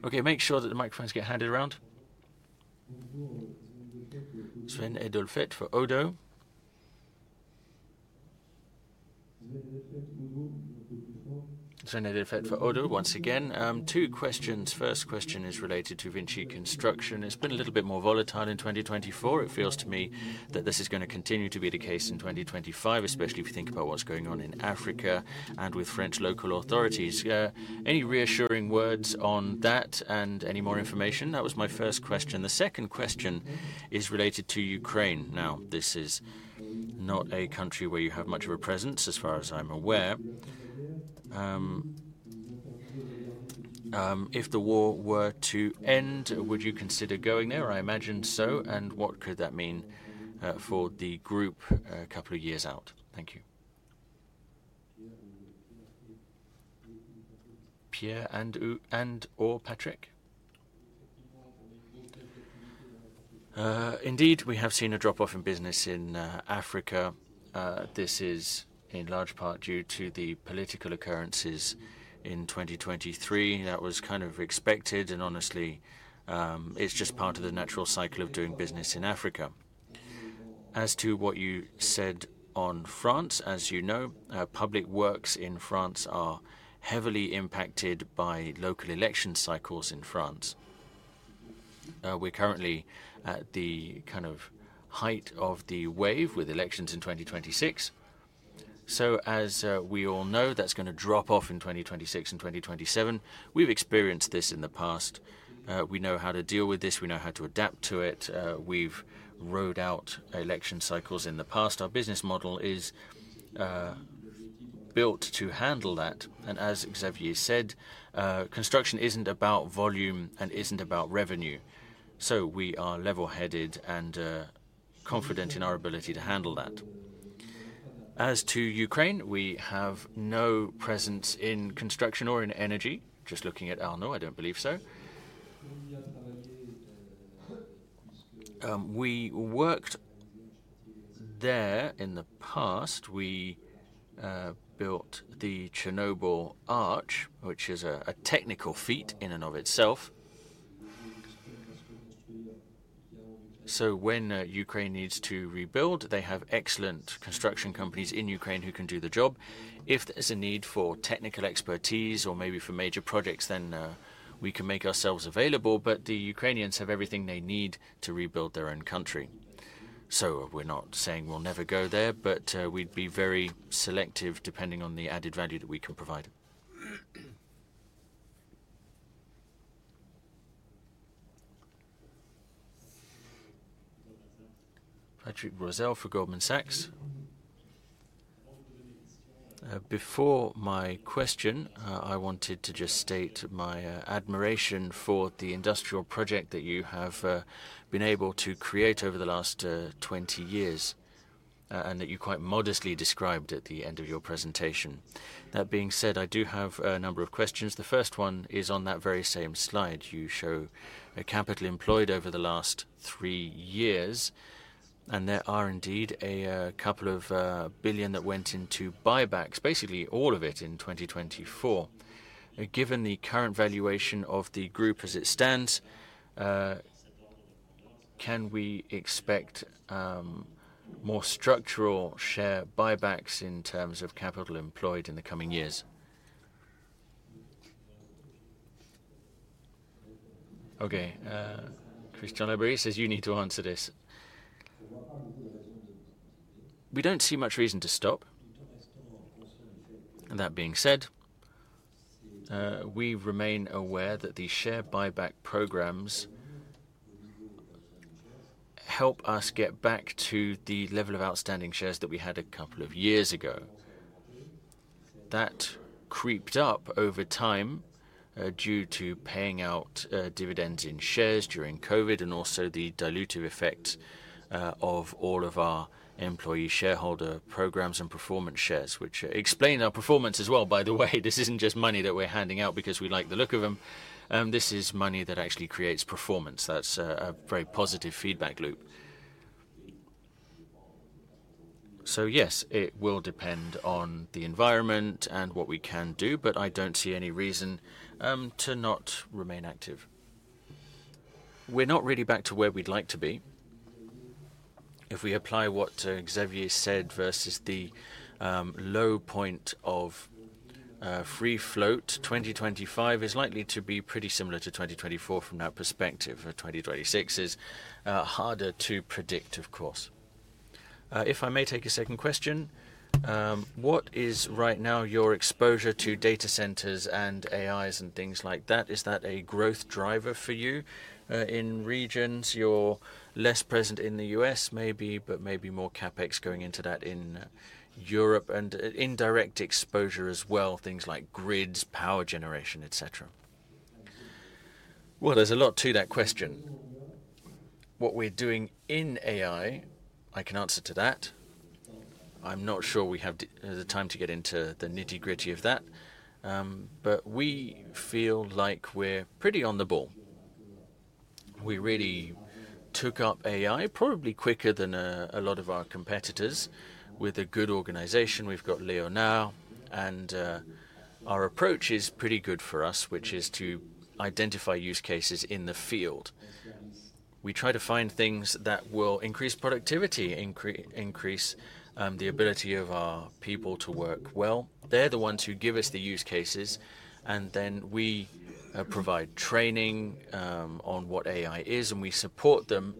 Okay. Make sure that the microphones get handed around. Sven Edelfelt for Oddo. Sven Edelfelt for Oddo, once again. Two questions. First question is related to Vinci Construction. It's been a little bit more volatile in 2024. It feels to me that this is going to continue to be the case in 2025, especially if you think about what's going on in Africa and with French local authorities. Any reassuring words on that and any more information? That was my first question. The second question is related to Ukraine. Now, this is not a country where you have much of a presence, as far as I'm aware. If the war were to end, would you consider going there? I imagine so. And what could that mean for the group a couple of years out? Thank you. Pierre and/or Patrick. Indeed, we have seen a drop-off in business in Africa. This is in large part due to the political occurrences in 2023. That was kind of expected, and honestly, it's just part of the natural cycle of doing business in Africa. As to what you said on France, as you know, public works in France are heavily impacted by local election cycles in France. We're currently at the kind of height of the wave with elections in 2026. So as we all know, that's going to drop off in 2026 and 2027. We've experienced this in the past. We know how to deal with this. We know how to adapt to it. We've rode out election cycles in the past. Our business model is built to handle that, and as Xavier said, construction isn't about volume and isn't about revenue. So we are level-headed and confident in our ability to handle that. As to Ukraine, we have no presence in construction or in energy. Just looking at Arnaud, I don't believe so. We worked there in the past. We built the Chernobyl Arch, which is a technical feat in and of itself. So when Ukraine needs to rebuild, they have excellent construction companies in Ukraine who can do the job. If there's a need for technical expertise or maybe for major projects, then we can make ourselves available. But the Ukrainians have everything they need to rebuild their own country. So we're not saying we'll never go there, but we'd be very selective depending on the added value that we can provide. Patrick Creuset for Goldman Sachs. Before my question, I wanted to just state my admiration for the industrial project that you have been able to create over the last 20 years and that you quite modestly described at the end of your presentation. That being said, I do have a number of questions. The first one is on that very same slide. You show a capital employed over the last three years, and there are indeed a couple of billion that went into buybacks, basically all of it in 2024. Given the current valuation of the group as it stands, can we expect more structural share buybacks in terms of capital employed in the coming years? Okay. Christian Labeyrie says you need to answer this. We don't see much reason to stop. That being said, we remain aware that the share buyback programs help us get back to the level of outstanding shares that we had a couple of years ago. That crept up over time due to paying out dividends in shares during COVID and also the dilutive effect of all of our employee shareholder programs and performance shares, which explain our performance as well, by the way. This isn't just money that we're handing out because we like the look of them. This is money that actually creates performance. That's a very positive feedback loop. So yes, it will depend on the environment and what we can do, but I don't see any reason to not remain active. We're not really back to where we'd like to be. If we apply what Xavier said versus the low point of free float, 2025 is likely to be pretty similar to 2024 from that perspective. 2026 is harder to predict, of course. If I may take a second question, what is right now your exposure to data centers and AIs and things like that? Is that a growth driver for you in regions? You're less present in the U.S., maybe, but maybe more CapEx going into that in Europe and indirect exposure as well, things like grids, power generation, etc. Well, there's a lot to that question. What we're doing in AI, I can answer to that. I'm not sure we have the time to get into the nitty-gritty of that, but we feel like we're pretty on the ball. We really took up AI probably quicker than a lot of our competitors. With a good organization, we've got Leonard, and our approach is pretty good for us, which is to identify use cases in the field. We try to find things that will increase productivity, increase the ability of our people to work well. They're the ones who give us the use cases, and then we provide training on what AI is, and we support them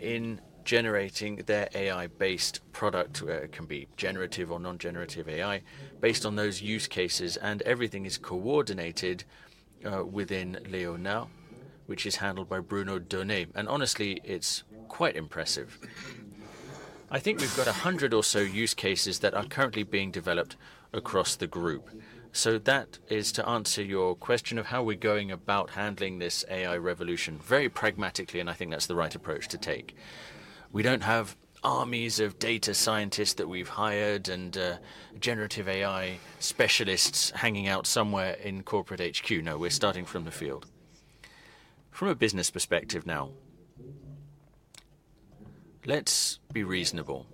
in generating their AI-based product, whether it can be generative or non-generative AI, based on those use cases. And everything is coordinated within Leonard, which is handled by Bruno Dony. And honestly, it's quite impressive. I think we've got 100 or so use cases that are currently being developed across the group. So that is to answer your question of how we're going about handling this AI revolution very pragmatically, and I think that's the right approach to take. We don't have armies of data scientists that we've hired and generative AI specialists hanging out somewhere in corporate HQ. No, we're starting from the field. From a business perspective now, let's be reasonable.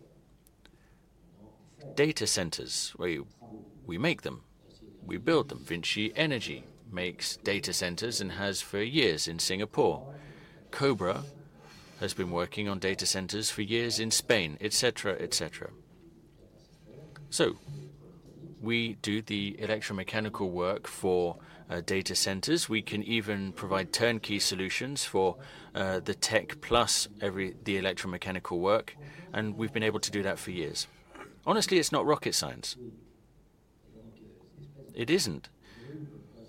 Data centers, we make them. We build them. Vinci Energies makes data centers and has for years in Singapore. Cobra has been working on data centers for years in Spain, etc., etc. So we do the electromechanical work for data centers. We can even provide turnkey solutions for the tech plus the electromechanical work, and we've been able to do that for years. Honestly, it's not rocket science. It isn't.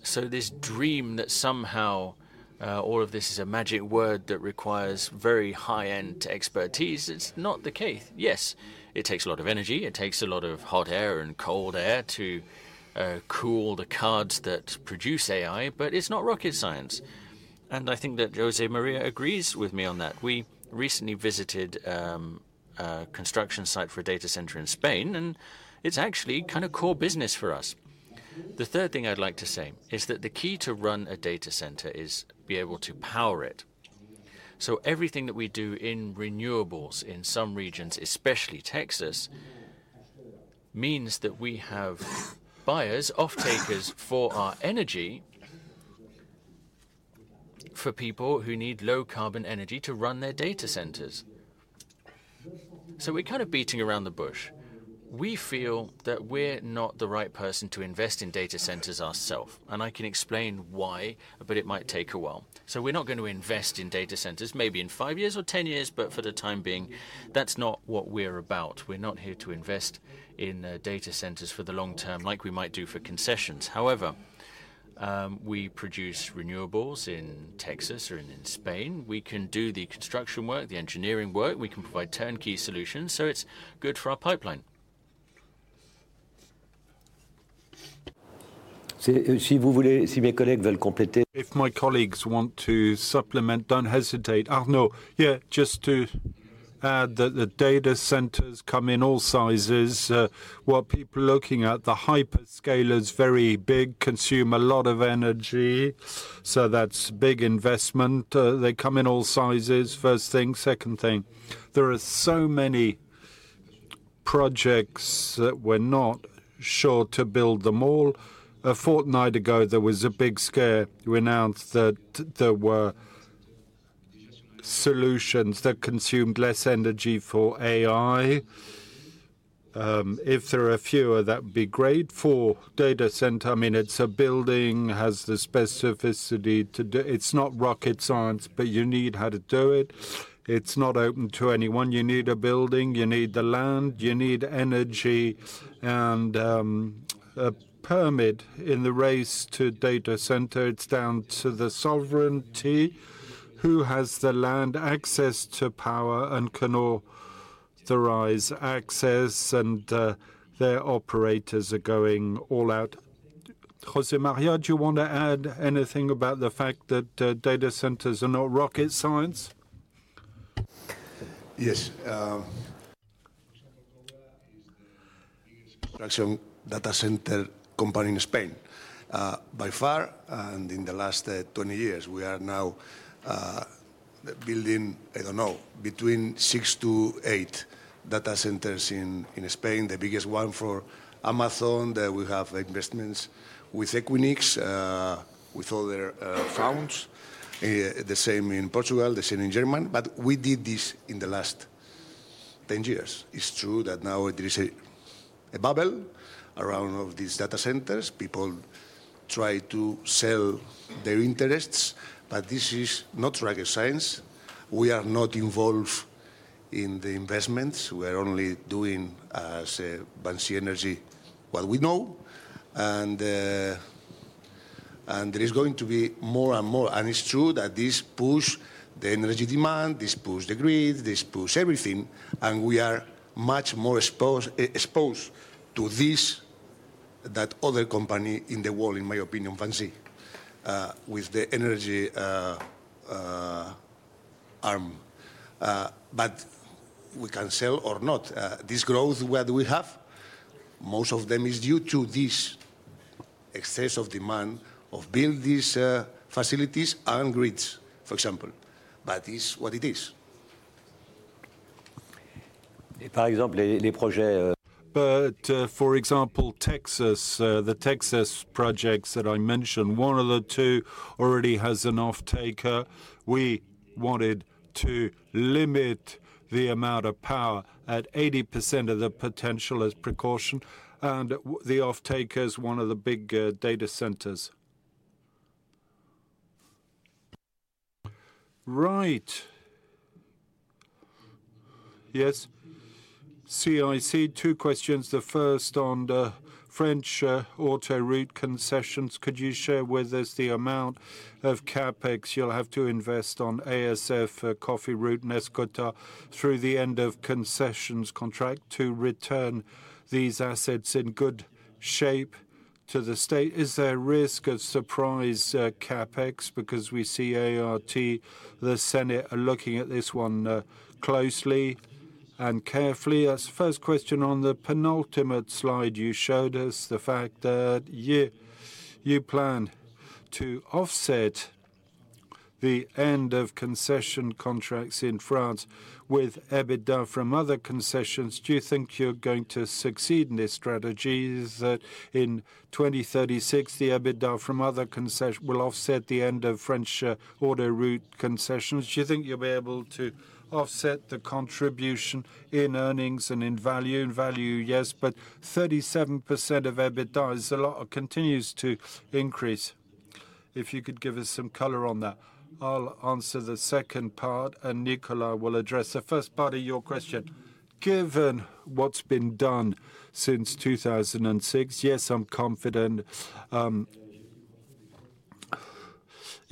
So this dream that somehow all of this is a magic word that requires very high-end expertise, it's not the case. Yes, it takes a lot of energy. It takes a lot of hot air and cold air to cool the cards that produce AI, but it's not rocket science. And I think that José María agrees with me on that. We recently visited a construction site for a data center in Spain, and it's actually kind of core business for us. The third thing I'd like to say is that the key to run a data center is to be able to power it. So everything that we do in renewables in some regions, especially Texas, means that we have buyers, off-takers for our energy for people who need low-carbon energy to run their data centers. So we're kind of beating around the bush. We feel that we're not the right person to invest in data centers ourselves. And I can explain why, but it might take a while. We're not going to invest in data centers maybe in five years or 10 years, but for the time being, that's not what we're about. We're not here to invest in data centers for the long term like we might do for concessions. However, we produce renewables in Texas or in Spain. We can do the construction work, the engineering work. We can provide turnkey solutions. So it's good for our pipeline. If my colleagues want to supplement, don't hesitate. Arnaud, yeah, just to add that the data centers come in all sizes. What people are looking at, the hyperscalers, very big, consume a lot of energy. So that's a big investment. They come in all sizes, first thing. Second thing, there are so many projects that we're not sure to build them all. A fortnight ago, there was a big scare to announce that there were solutions that consumed less energy for AI. If there are fewer, that would be great for data centers. I mean, it's a building that has the specificity to do it. It's not rocket science, but you need how to do it. It's not open to anyone. You need a building. You need the land. You need energy and a permit in the race to data center. It's down to the sovereignty who has the land, access to power, and can authorize access, and their operators are going all out. José María, do you want to add anything about the fact that data centers are not rocket science? Yes. We are the biggest construction data center company in Spain by far. And in the last 20 years, we are now building, I don't know, between six to eight data centers in Spain. The biggest one for Amazon. We have investments with Equinix, with other funds. The same in Portugal, the same in Germany. But we did this in the last 10 years. It's true that now there is a bubble around all of these data centers. People try to sell their interests, but this is not rocket science. We are not involved in the investments. We are only doing, as VINCI Energies, what we know. And there is going to be more and more. And it's true that this pushes the energy demand, this pushes the grid, this pushes everything. And we are much more exposed to this than other companies in the world, in my opinion, Vinci, with the energy arm. But we can sell or not. This growth that we have, most of them is due to this excess of demand of building these facilities and grids, for example. But it's what it is. But for example, Texas, the Texas projects that I mentioned, one of the two already has an off-taker. We wanted to limit the amount of power at 80% of the potential as precaution. And the off-taker is one of the big data centers. Right. Yes. CIC, two questions. The first on the French autoroute concessions. Could you share with us the amount of CapEx you'll have to invest on ASF, Cofiroute, APRR, and Escota through the end of concessions contract to return these assets in good shape to the state? Is there a risk of surprise CapEx? Because we see ART, the Senate are looking at this one closely and carefully. That's the first question on the penultimate slide you showed us, the fact that you plan to offset the end of concession contracts in France with EBITDA from other concessions. Do you think you're going to succeed in this strategy? Is that in 2036, the EBITDA from other concessions will offset the end of French autoroute concessions? Do you think you'll be able to offset the contribution in earnings and in value? In value, yes, but 37% of EBITDA is a lot that continues to increase. If you could give us some color on that, I'll answer the second part, and Nicolas will address the first part of your question. Given what's been done since 2006, yes, I'm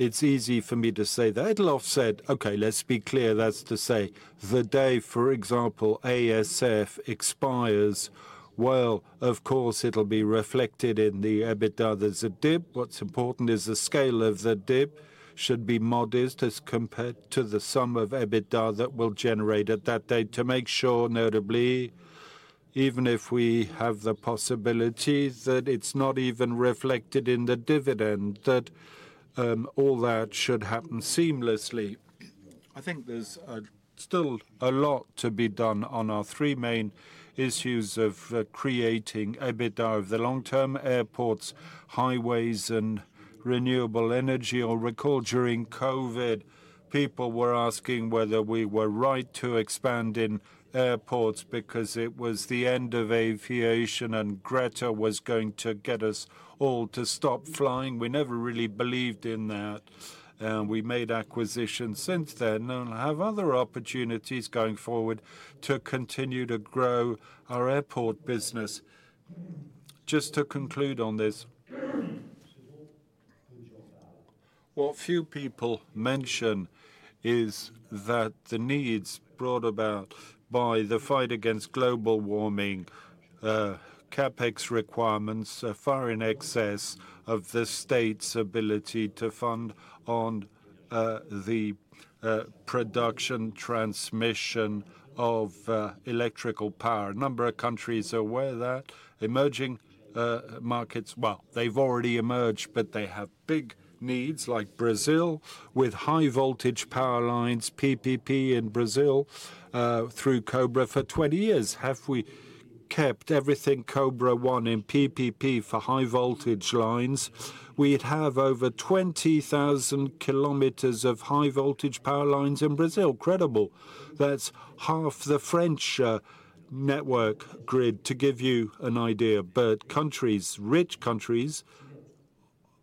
confident it's easy for me to say that it'll offset. Okay, let's be clear. That's to say, the day, for example, ASF expires, well, of course, it'll be reflected in the EBITDA. There's a dip. What's important is the scale of the dip should be modest as compared to the sum of EBITDA that will generate at that date to make sure, notably, even if we have the possibility that it's not even reflected in the dividend, that all that should happen seamlessly. I think there's still a lot to be done on our three main issues of creating EBITDA over the long term: airports, highways, and renewable energy. Or recall, during COVID, people were asking whether we were right to expand in airports because it was the end of aviation and Greta was going to get us all to stop flying. We never really believed in that. We made acquisitions since then and have other opportunities going forward to continue to grow our airport business. Just to conclude on this, what few people mention is that the needs brought about by the fight against global warming, CapEx requirements, far exceeds the state's ability to fund the production and transmission of electrical power. A number of countries are aware of that. Emerging markets, well, they've already emerged, but they have big needs like Brazil with high-voltage power lines, PPP in Brazil through Cobra for 20 years. Have we kept everything Cobra won in PPP for high-voltage lines? We'd have over 20,000 km of high-voltage power lines in Brazil. Incredible. That's half the French network grid, to give you an idea. But countries, rich countries,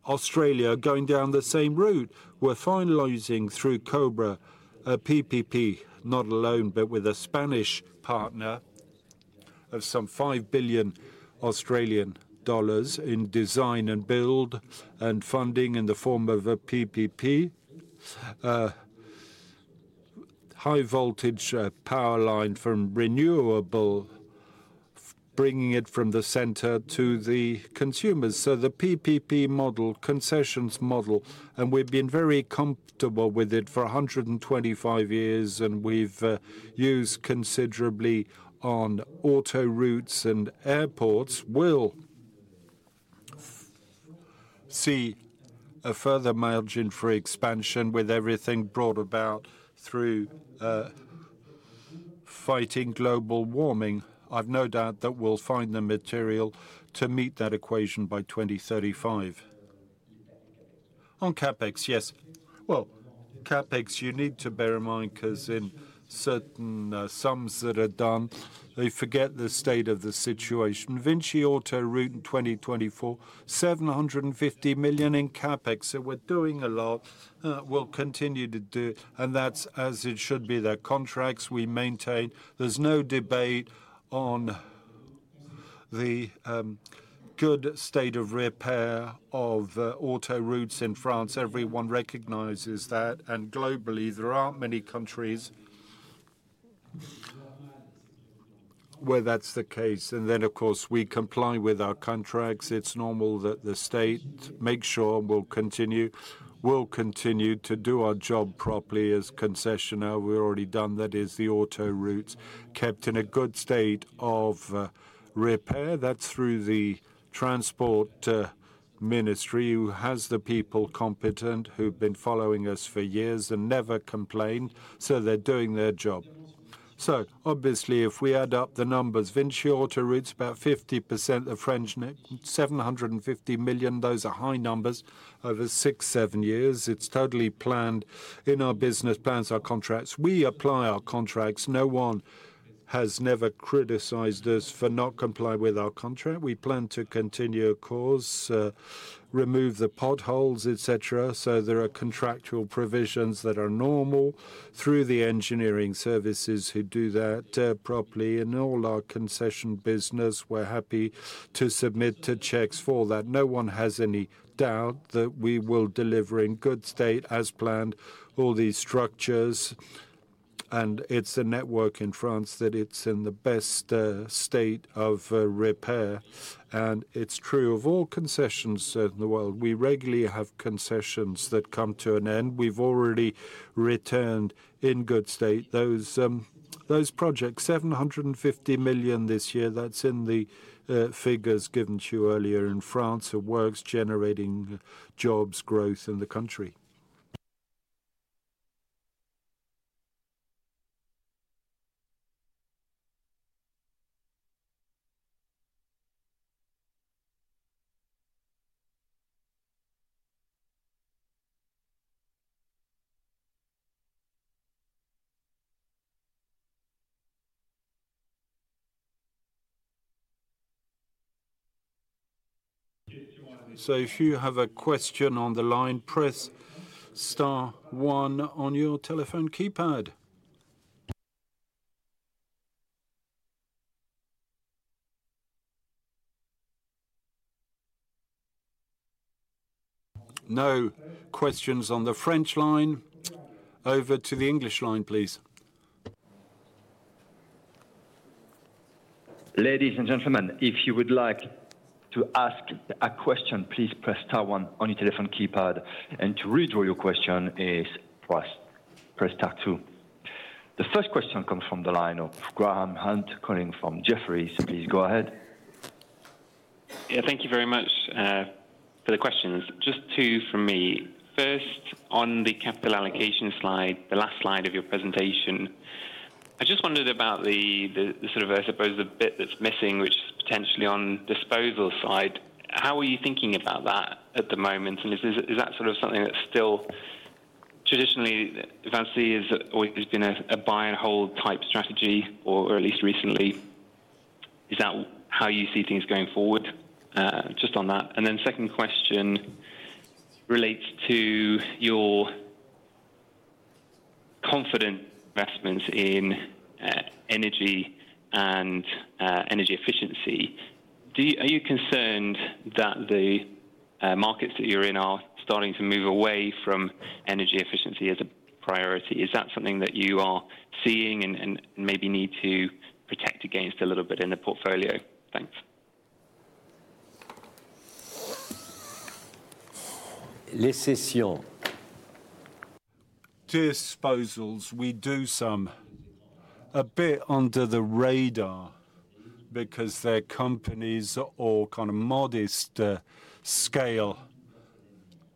Australia are going down the same route. We're finalizing through Cobra a PPP, not alone, but with a Spanish partner of some 5 billion Australian dollars in design and build and funding in the form of a PPP, high-voltage power line from renewable, bringing it from the center to the consumers. The PPP model, concessions model, and we've been very comfortable with it for 125 years, and we've used considerably on Autoroutes and airports, will see a further margin for expansion with everything brought about through fighting global warming. I've no doubt that we'll find the material to meet that equation by 2035. On CapEx, yes. CapEx, you need to bear in mind because in certain sums that are done, they forget the state of the situation. Vinci Autoroutes in 2024, 750 million in CapEx. We're doing a lot. We'll continue to do, and that's as it should be. Their contracts we maintain. There's no debate on the good state of repair of autoroutes in France. Everyone recognizes that. And globally, there aren't many countries where that's the case. And then, of course, we comply with our contracts. It's normal that the state makes sure we'll continue. We'll continue to do our job properly as concessions. We've already done that. The autoroutes kept in a good state of repair. That's through the Transport Ministry, who has the people competent, who've been following us for years and never complained. So they're doing their job. So obviously, if we add up the numbers, Vinci Autoroutes, about 50%, the French, 750 million, those are high numbers over six, seven years. It's totally planned in our business plans, our contracts. We apply our contracts. No one has never criticized us for not complying with our contract. We plan to continue a course, remove the potholes, etc. There are contractual provisions that are normal through the engineering services who do that properly in all our concession business. We're happy to submit to checks for that. No one has any doubt that we will deliver in good state as planned, all these structures. It's a network in France that it's in the best state of repair. It's true of all concessions in the world. We regularly have concessions that come to an end. We've already returned in good state. Those projects, 750 million this year, that's in the figures given to you earlier in France, are works generating jobs growth in the country. If you have a question on the line, press star one on your telephone keypad. No questions on the French line. Over to the English line, please. Ladies and gentlemen, if you would like to ask a question, please press star one on your telephone keypad. And to withdraw your question, please press star two. The first question comes from the line of Graham Hunt, calling from Jefferies. Please go ahead. Yeah, thank you very much for the questions. Just two from me. First, on the capital allocation slide, the last slide of your presentation, I just wondered about the sort of, I suppose, the bit that's missing, which is potentially on disposal side. How are you thinking about that at the moment? And is that sort of something that's still traditionally on the cards? Has it always been a buy-and-hold type strategy, or at least recently? Is that how you see things going forward? Just on that. And then second question relates to your concessions investments in energy and energy efficiency. Are you concerned that the markets that you're in are starting to move away from energy efficiency as a priority? Is that something that you are seeing and maybe need to protect against a little bit in the portfolio? Thanks. Disposals, we do some, a bit under the radar because they're companies or kind of modest scale.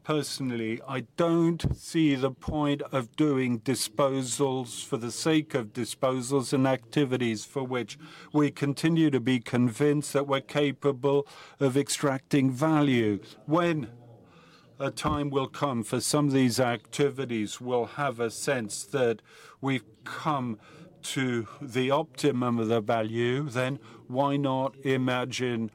Personally, I don't see the point of doing disposals for the sake of disposals and activities for which we continue to be convinced that we're capable of extracting value. When a time will come for some of these activities, we'll have a sense that we've come to the optimum of the value, then why not imagine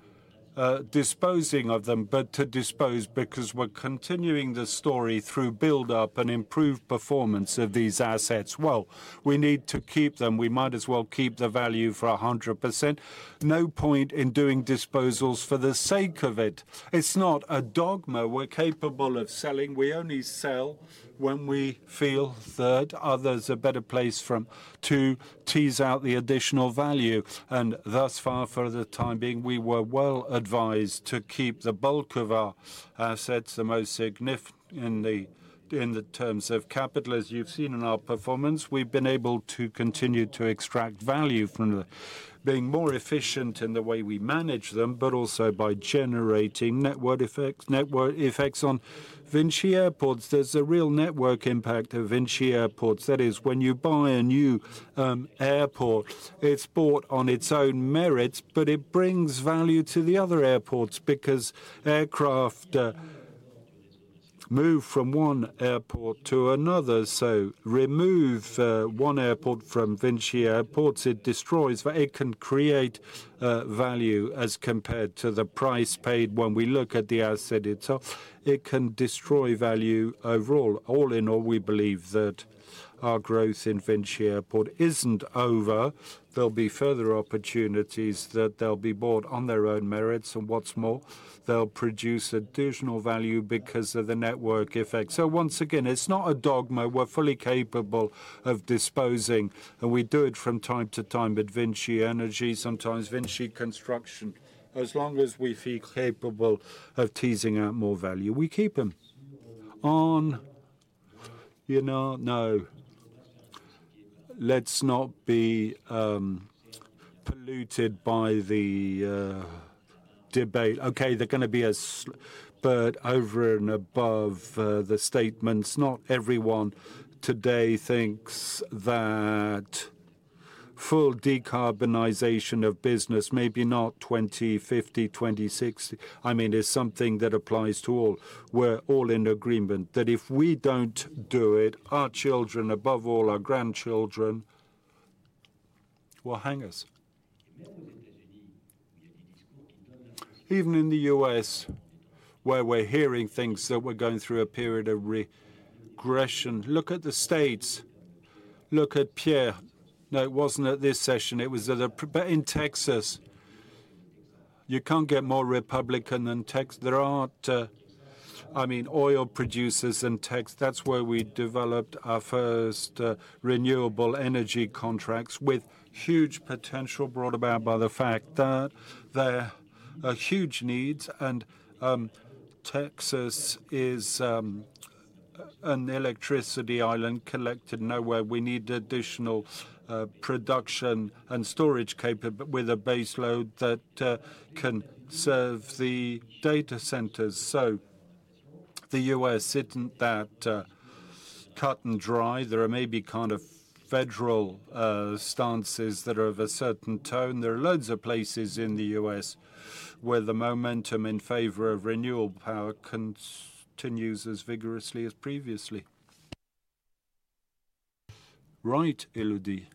disposing of them, but to dispose because we're continuing the story through build-up and improved performance of these assets. Well, we need to keep them. We might as well keep the value for 100%. No point in doing disposals for the sake of it. It's not a dogma. We're capable of selling. We only sell when we feel that others are better placed to tease out the additional value. And thus far, for the time being, we were well advised to keep the bulk of our assets, the most significant in the terms of capital, as you've seen in our performance. We've been able to continue to extract value from being more efficient in the way we manage them, but also by generating network effects on Vinci Airports. There's a real network impact of Vinci Airports. That is, when you buy a new airport, it's bought on its own merits, but it brings value to the other airports because aircraft move from one airport to another. So remove one airport from Vinci Airports; it destroys, but it can create value as compared to the price paid when we look at the asset itself. It can destroy value overall. All in all, we believe that our growth in Vinci Airport isn't over. There'll be further opportunities that they'll be bought on their own merits. And what's more, they'll produce additional value because of the network effect. So once again, it's not a dogma. We're fully capable of disposing, and we do it from time to time at Vinci Energy, sometimes Vinci Construction. As long as we feel capable of teasing out more value, we keep them. Oh, you know, no. Let's not be polluted by the debate. Okay, there's going to be a spurt over and above the statements. Not everyone today thinks that full decarbonization of business, maybe not 2050, 2060, I mean, is something that applies to all. We're all in agreement that if we don't do it, our children, above all, our grandchildren will hang us. Even in the U.S., where we're hearing things that we're going through a period of regression. Look at the states. Look at Pierre. No, it wasn't at this session. It was in Texas. You can't get more Republican than Texas. There aren't, I mean, oil producers in Texas. That's where we developed our first renewable energy contracts with huge potential brought about by the fact that there are huge needs. And Texas is an electricity island connected nowhere. We need additional production and storage capability with a baseload that can serve the data centers. So the U.S. isn't that cut and dry. There may be kind of federal stances that are of a certain tone. There are loads of places in the U.S. where the momentum in favor of renewable power continues as vigorously as previously. Right, Élodie.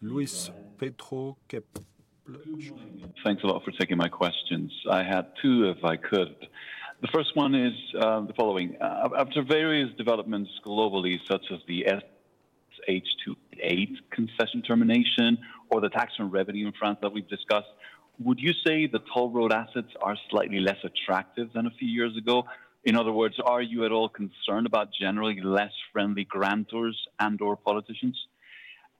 Luis Prieto. Thanks a lot for taking my questions. I had two if I could. The first one is the following. After various developments globally, such as the H28 concession termination or the tax on revenue in France that we've discussed, would you say the toll road assets are slightly less attractive than a few years ago? In other words, are you at all concerned about generally less friendly grantors and/or politicians?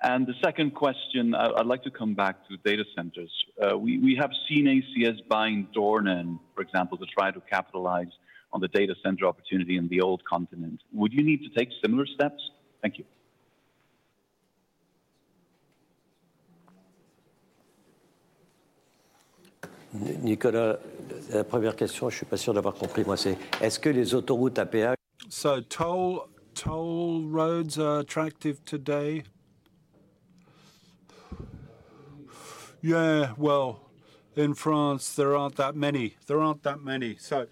And the second question, I'd like to come back to data centers. We have seen ACS buying Dornan, for example, to try to capitalize on the data center opportunity in the old continent. Would you need to take similar steps? Thank you. La première question, je ne suis pas sûr d'avoir compris, moi, c'est: est-ce que les autoroutes en France? So toll roads are attractive today? Yeah, well, in France, there aren't that many. There aren't that many, so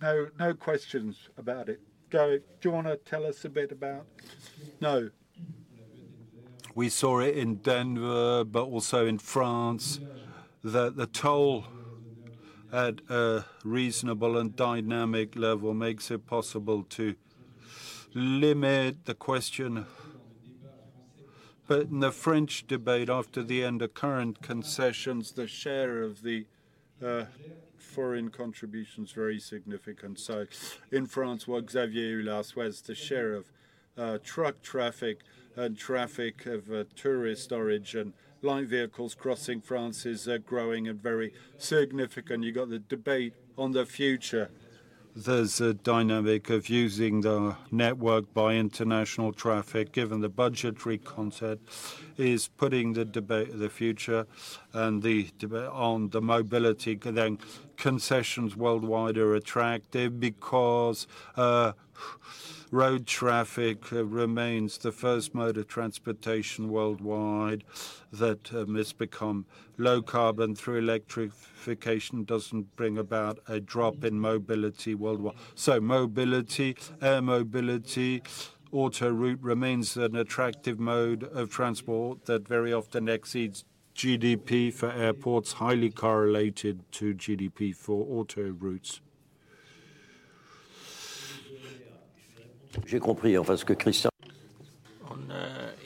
no questions about it. Gary, do you want to tell us a bit about? No. We saw it in Denver, but also in France, that the toll at a reasonable and dynamic level makes it possible to limit the question. But in the French debate, after the end of current concessions, the share of the foreign contribution is very significant, so in France, what Xavier Huillard says, the share of truck traffic and traffic of tourist origin, light vehicles crossing France is growing at very significant. You've got the debate on the future. There's a dynamic of using the network by international traffic, given the budgetary context, is putting the debate of the future and the debate on the mobility. Then concessions worldwide are attractive because road traffic remains the first mode of transportation worldwide that has become low carbon through electrification, doesn't bring about a drop in mobility worldwide. So mobility, air mobility, auto route remains an attractive mode of transport that very often exceeds GDP for airports, highly correlated to GDP for auto routes. J'ai compris, enfin, ce que Christian...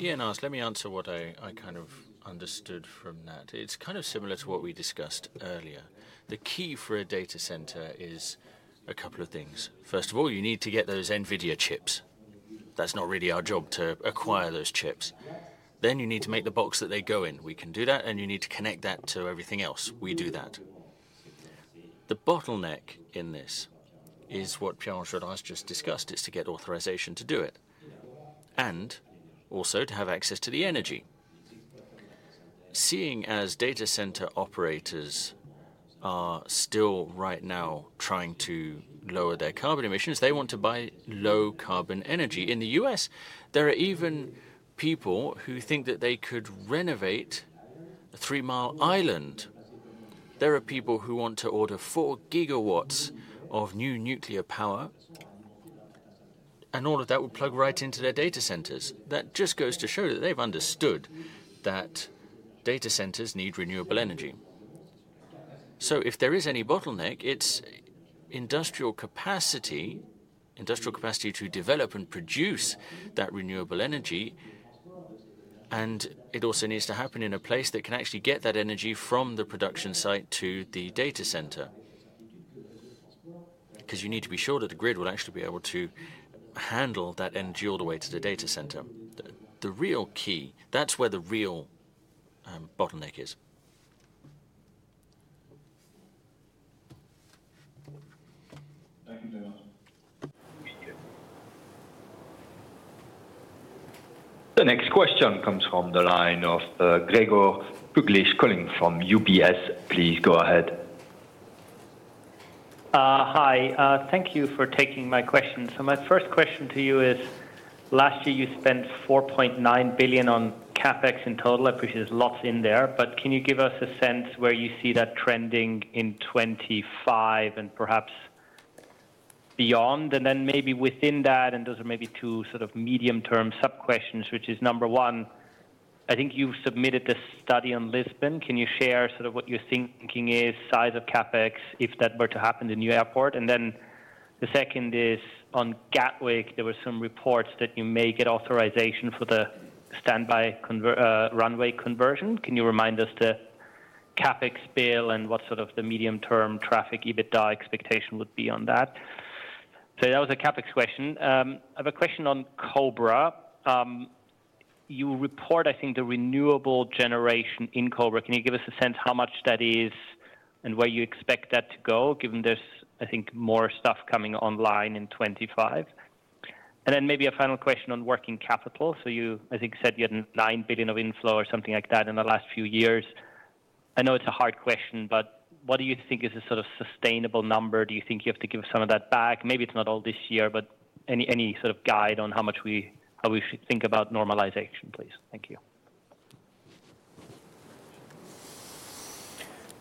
Ian asked, let me answer what I kind of understood from that. It's kind of similar to what we discussed earlier. The key for a data center is a couple of things. First of all, you need to get those Nvidia chips. That's not really our job to acquire those chips. Then you need to make the box that they go in. We can do that, and you need to connect that to everything else. We do that. The bottleneck in this is what Pierre Anjolras just discussed, is to get authorization to do it, and also to have access to the energy. Seeing as data center operators are still right now trying to lower their carbon emissions, they want to buy low carbon energy. In the U.S., there are even people who think that they could renovate a Three Mile Island. There are people who want to order four gigawatts of new nuclear power, and all of that would plug right into their data centers. That just goes to show that they've understood that data centers need renewable energy. So if there is any bottleneck, it's industrial capacity, industrial capacity to develop and produce that renewable energy, and it also needs to happen in a place that can actually get that energy from the production site to the data center. Because you need to be sure that the grid will actually be able to handle that energy all the way to the data center. The real key, that's where the real bottleneck is. Thank you very much. The next question comes from the line of Gregor Kuglitsch calling from UBS. Please go ahead. Hi, thank you for taking my question. So my first question to you is, last year you spent 4.9 billion on CapEx in total. I appreciate there's lots in there, but can you give us a sense where you see that trending in 2025 and perhaps beyond? And then maybe within that, and those are maybe two sort of medium-term sub-questions, which is number one. I think you've submitted this study on Lisbon. Can you share sort of what you're thinking is size of CapEx if that were to happen in a new airport? And then the second is on Gatwick. There were some reports that you may get authorization for the standby runway conversion. Can you remind us the CapEx bill and what sort of the medium-term traffic EBITDA expectation would be on that? So that was a CapEx question. I have a question on Cobra. You report, I think, the renewable generation in Cobra. Can you give us a sense how much that is and where you expect that to go, given there's, I think, more stuff coming online in 25? And then maybe a final question on working capital. So you, I think, said you had €9 billion of inflow or something like that in the last few years. I know it's a hard question, but what do you think is a sort of sustainable number? Do you think you have to give some of that back? Maybe it's not all this year, but any sort of guide on how we should think about normalization, please. Thank you.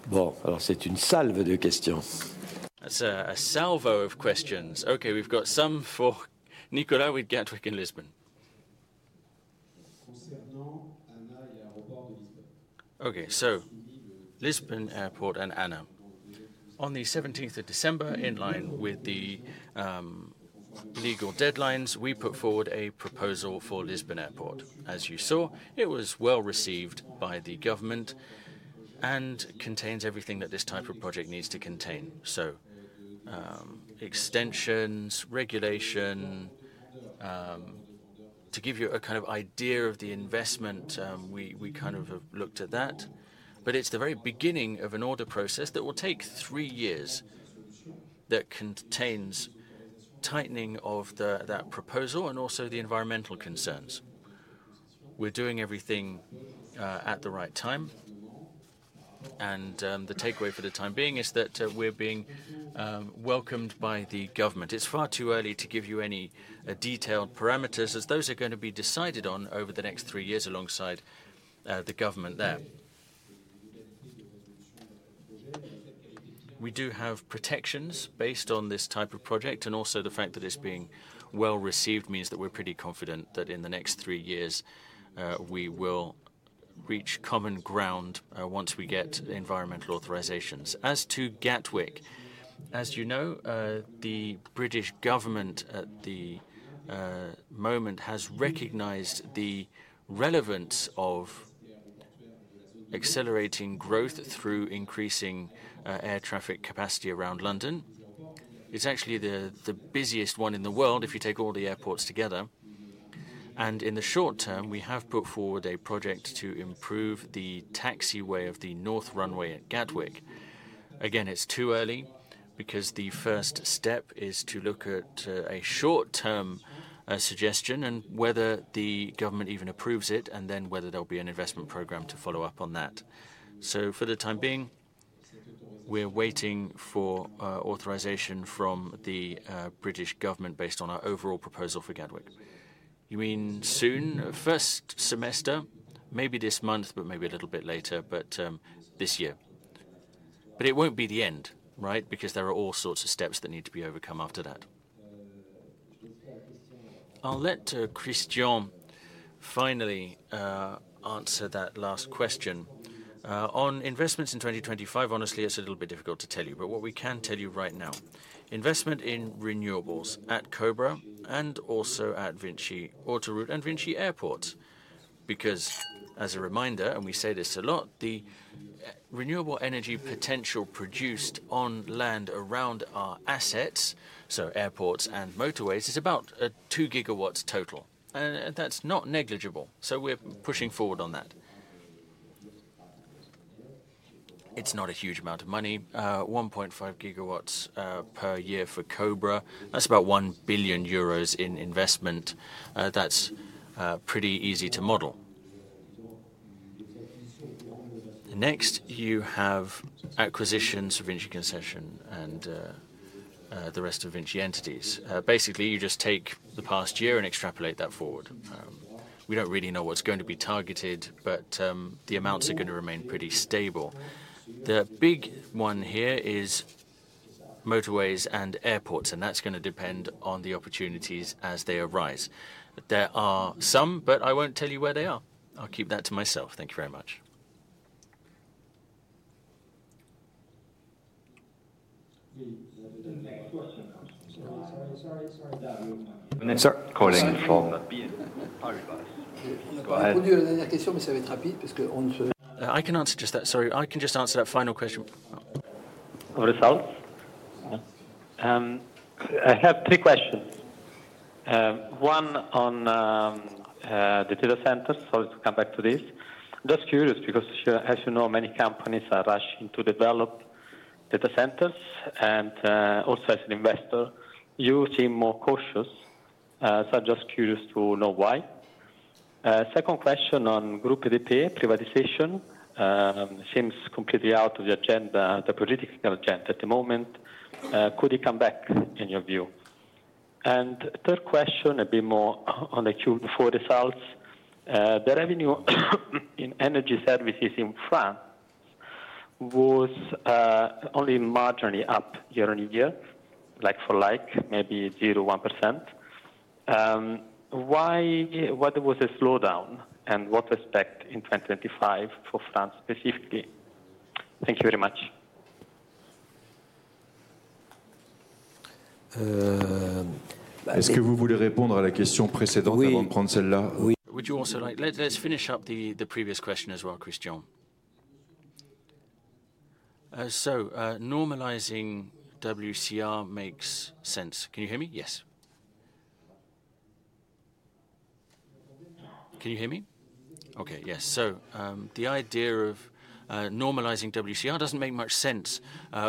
Bon, alors c'est une salve de questions. That's a salvo of questions. Okay, we've got some for Nicolas with Gatwick and Lisbon. Okay, so Lisbon Airport and ANA. On the 17th of December, in line with the legal deadlines, we put forward a proposal for Lisbon Airport. As you saw, it was well received by the government and contains everything that this type of project needs to contain. So extensions, regulation, to give you a kind of idea of the investment, we kind of have looked at that. But it's the very beginning of an order process that will take three years that contains tightening of that proposal and also the environmental concerns. We're doing everything at the right time. And the takeaway for the time being is that we're being welcomed by the government. It's far too early to give you any detailed parameters as those are going to be decided on over the next three years alongside the government there. We do have protections based on this type of project, and also the fact that it's being well received means that we're pretty confident that in the next three years, we will reach common ground once we get environmental authorizations. As to Gatwick, as you know, the British government at the moment has recognized the relevance of accelerating growth through increasing air traffic capacity around London. It's actually the busiest one in the world if you take all the airports together. And in the short term, we have put forward a project to improve the taxiway of the north runway at Gatwick. Again, it's too early because the first step is to look at a short-term suggestion and whether the government even approves it, and then whether there'll be an investment program to follow up on that. So for the time being, we're waiting for authorization from the British government based on our overall proposal for Gatwick. You mean soon? First semester, maybe this month, but maybe a little bit later, but this year. But it won't be the end, right? Because there are all sorts of steps that need to be overcome after that. I'll let Christian finally answer that last question. On investments in 2025, honestly, it's a little bit difficult to tell you, but what we can tell you right now, investment in renewables at Cobra and also at Vinci Autoroutes and Vinci Airports, because as a reminder, and we say this a lot, the renewable energy potential produced on land around our assets, so airports and motorways, is about two gigawatts total. And that's not negligible. So we're pushing forward on that. It's not a huge amount of money. 1.5 gigawatts per year for Cobra, that's about 1 billion euros in investment. That's pretty easy to model. Next, you have acquisitions, Vinci Concessions, and the rest of Vinci entities. Basically, you just take the past year and extrapolate that forward. We don't really know what's going to be targeted, but the amounts are going to remain pretty stable. The big one here is motorways and airports, and that's going to depend on the opportunities as they arise. There are some, but I won't tell you where they are. I'll keep that to myself. Thank you very much. I can answer just that. Sorry. I can just answer that final question. I have three questions. One on the data centers, so let's come back to this. Just curious because, as you know, many companies are rushing to develop data centers. And also, as an investor, you seem more cautious. So I'm just curious to know why. Second question on Groupe ADP, privatization seems completely out of the agenda, the political agenda at the moment. Could it come back in your view? And third question, a bit more on the Q4 results. The revenue in energy services in France was only marginally up year on year, like for like, maybe 0%-1%. Why was there a slowdown and what to expect in 2025 for France specifically? Thank you very much. Est-ce que vous voulez répondre à la question précédente avant de prendre celle-là? Would you also like. Let's finish up the previous question as well, Christian? So normalizing WCR makes sense. Can you hear me? Yes. Can you hear me? Okay, yes. So the idea of normalizing WCR doesn't make much sense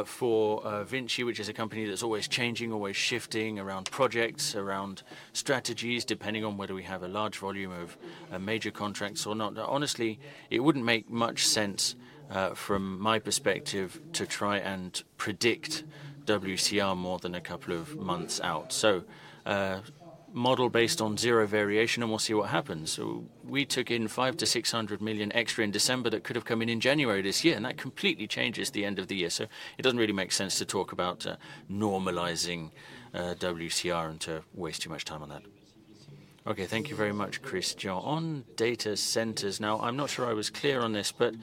for Vinci, which is a company that's always changing, always shifting around projects, around strategies, depending on whether we have a large volume of major contracts or not. Honestly, it wouldn't make much sense from my perspective to try and predict WCR more than a couple of months out. So model based on zero variation, and we'll see what happens. We took in 500 million-600 million extra in December that could have come in in January this year, and that completely changes the end of the year. So it doesn't really make sense to talk about normalizing WCR and to waste too much time on that. Okay, thank you very much, Christian. On data centers, now, I'm not sure I was clear on this, but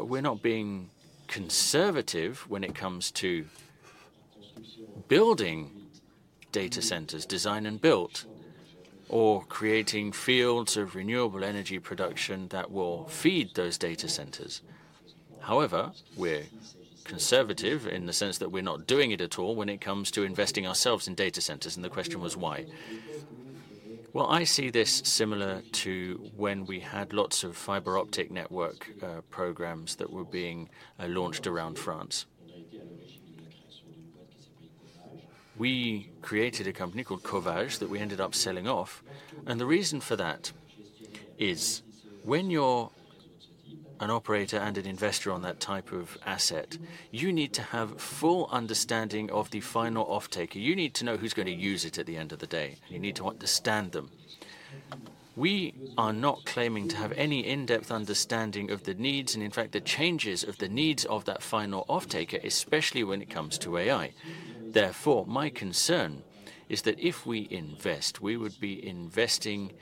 we're not being conservative when it comes to building data centers, design and built, or creating fields of renewable energy production that will feed those data centers. However, we're conservative in the sense that we're not doing it at all when it comes to investing ourselves in data centers, and the question was why. Well, I see this similar to when we had lots of fiber optic network programs that were being launched around France. We created a company called Covage that we ended up selling off. And the reason for that is when you're an operator and an investor on that type of asset, you need to have full understanding of the final off-taker. You need to know who's going to use it at the end of the day. You need to understand them. We are not claiming to have any in-depth understanding of the needs and, in fact, the changes of the needs of that final off-taker, especially when it comes to AI. Therefore, my concern is that if we invest, we would be investing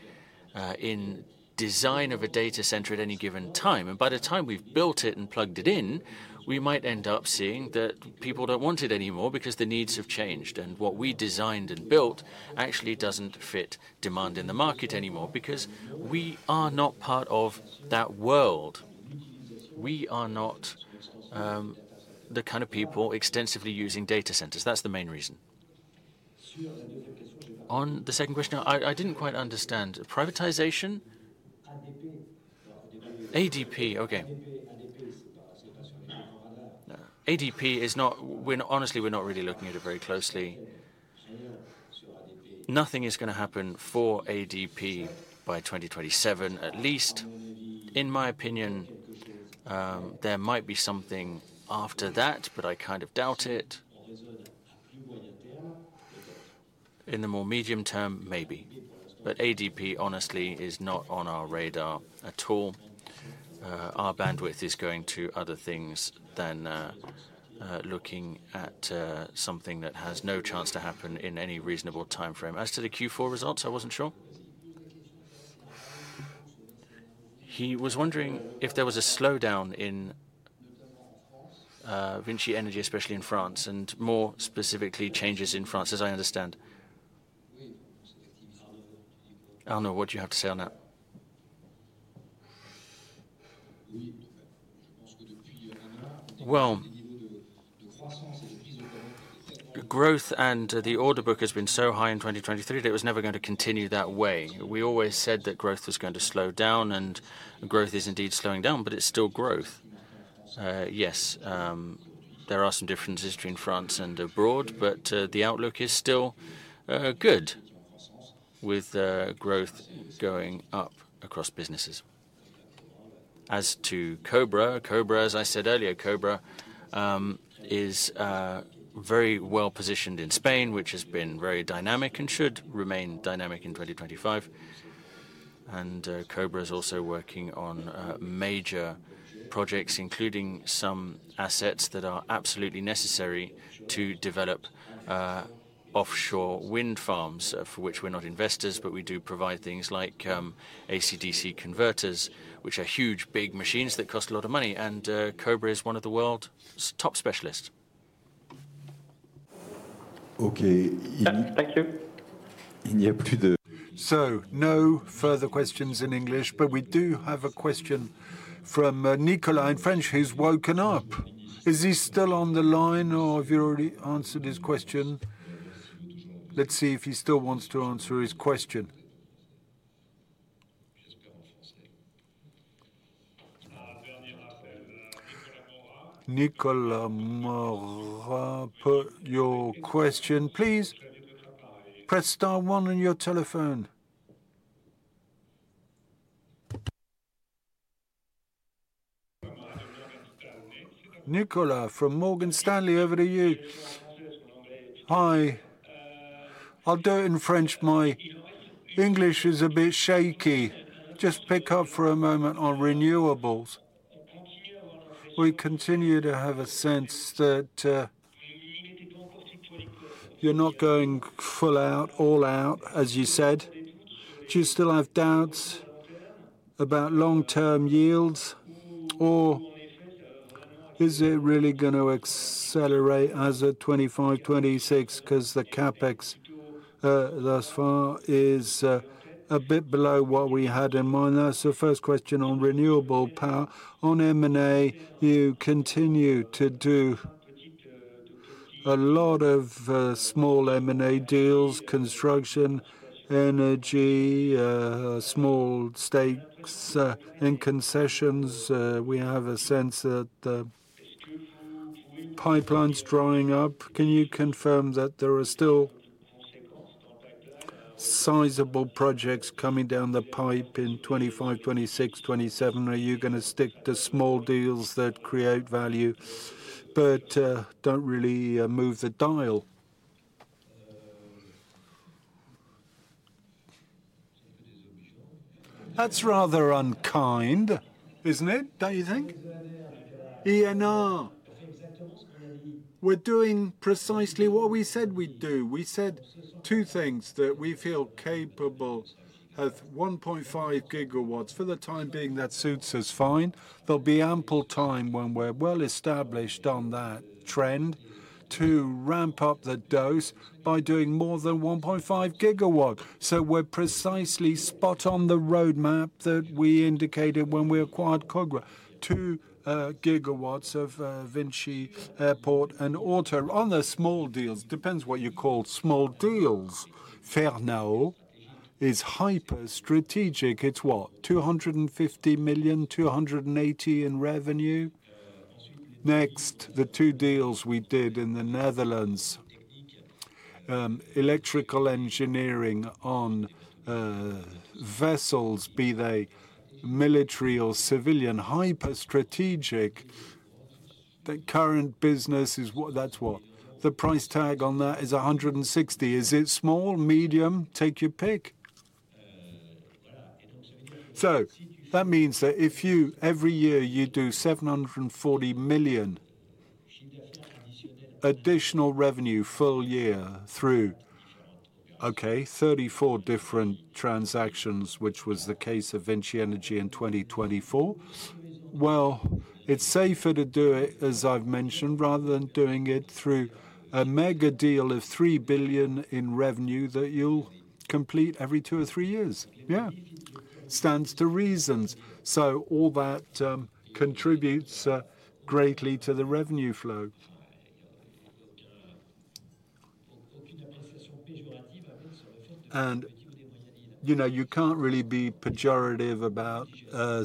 in the design of a data center at any given time. And by the time we've built it and plugged it in, we might end up seeing that people don't want it anymore because the needs have changed. And what we designed and built actually doesn't fit demand in the market anymore because we are not part of that world. We are not the kind of people extensively using data centers. That's the main reason. On the second question, I didn't quite understand. Privatization? ADP, okay. ADP is not, honestly, we're not really looking at it very closely. Nothing is going to happen for ADP by 2027, at least. In my opinion, there might be something after that, but I kind of doubt it. In the more medium term, maybe. But ADP, honestly, is not on our radar at all. Our bandwidth is going to other things than looking at something that has no chance to happen in any reasonable timeframe. As to the Q4 results, I wasn't sure. He was wondering if there was a slowdown in Vinci Energies, especially in France, and more specifically changes in France, as I understand. Arnaud, what do you have to say on that? Growth and the order book has been so high in 2023 that it was never going to continue that way. We always said that growth was going to slow down, and growth is indeed slowing down, but it's still growth. Yes, there are some differences between France and abroad, but the outlook is still good with growth going up across businesses. As to Cobra, as I said earlier, Cobra is very well positioned in Spain, which has been very dynamic and should remain dynamic in 2025. Cobra is also working on major projects, including some assets that are absolutely necessary to develop offshore wind farms for which we're not investors, but we do provide things like AC/DC converters, which are huge, big machines that cost a lot of money. Cobra is one of the world's top specialists. Okay. Thank you. So no further questions in English, but we do have a question from Nicolas in French who's woken up. Is he still on the line, or have you already answered his question? Let's see if he still wants to answer his question. Nicolas Mora, put your question, please. Press star one on your telephone. Nicolas from Morgan Stanley, over to you. Hi. I'll do it in French. My English is a bit shaky. Just pick up for a moment on renewables. We continue to have a sense that you're not going full out, all out, as you said. Do you still have doubts about long-term yields, or is it really going to accelerate as of 2025, 2026? Because the CapEx thus far is a bit below what we had in mind. That's the first question on renewable power. On M&A, you continue to do a lot of small M&A deals, construction, energy, small stakes and concessions. We have a sense that pipelines are drying up. Can you confirm that there are still sizable projects coming down the pipe in 2025, 2026, 2027? Are you going to stick to small deals that create value but don't really move the dial? That's rather unkind, isn't it? Don't you think? Et exactement. We're doing precisely what we said we'd do. We said two things that we feel capable of: 1.5 gigawatts. For the time being, that suits us fine. There'll be ample time when we're well established on that trend to ramp up the dose by doing more than 1.5 gigawatts. So we're precisely spot on the roadmap that we indicated when we acquired Cobra. Two gigawatts of Vinci Airports and Autoroutes. On the small deals, depends what you call small deals. Fernao is hyper strategic. It's what? 250-280 million in revenue. Next, the two deals we did in the Netherlands. Electrical engineering on vessels, be they military or civilian, hyper strategic. The current business is what? That's what? The price tag on that is 160 million. Is it small, medium? Take your pick. So that means that if you, every year, you do 740 million additional revenue full year through, okay, 34 different transactions, which was the case of Vinci Energies in 2024. It's safer to do it, as I've mentioned, rather than doing it through a mega deal of 3 billion in revenue that you'll complete every two or three years. Yeah. It stands to reason. All that contributes greatly to the revenue flow. You can't really be pejorative about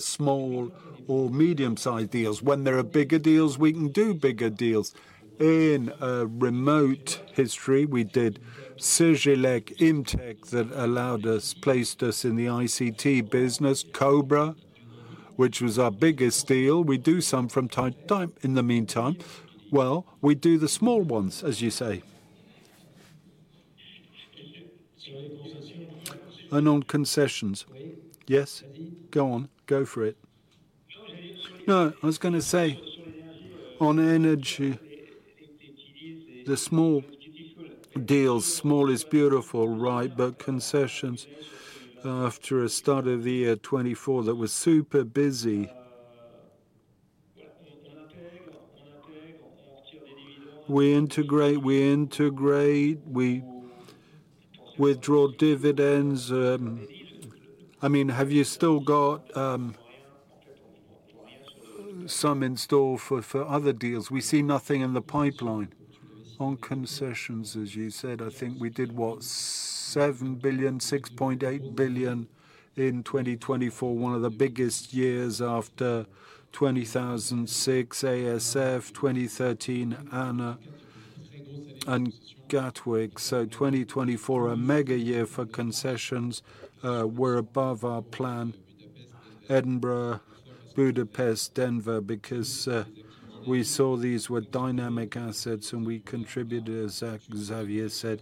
small or medium-sized deals. When there are bigger deals, we can do bigger deals. In remote history, we did Cegelec Imtech that allowed us, placed us in the ICT business. Cobra, which was our biggest deal. We do some from time to time in the meantime. We do the small ones, as you say. On concessions. Yes? Go on. Go for it. No, I was going to say on energy, the small deals, small is beautiful, right? Concessions, after a start of the year 2024 that was super busy, we integrate, we withdraw dividends. I mean, have you still got some in store for other deals? We see nothing in the pipeline. On concessions, as you said, I think we did what? 7 billion, 6.8 billion in 2024. One of the biggest years after 2006, ASF, 2013, and Gatwick. So 2024, a mega year for concessions. We're above our plan. Edinburgh, Budapest, Denver, because we saw these were dynamic assets and we contributed, as Xavier said,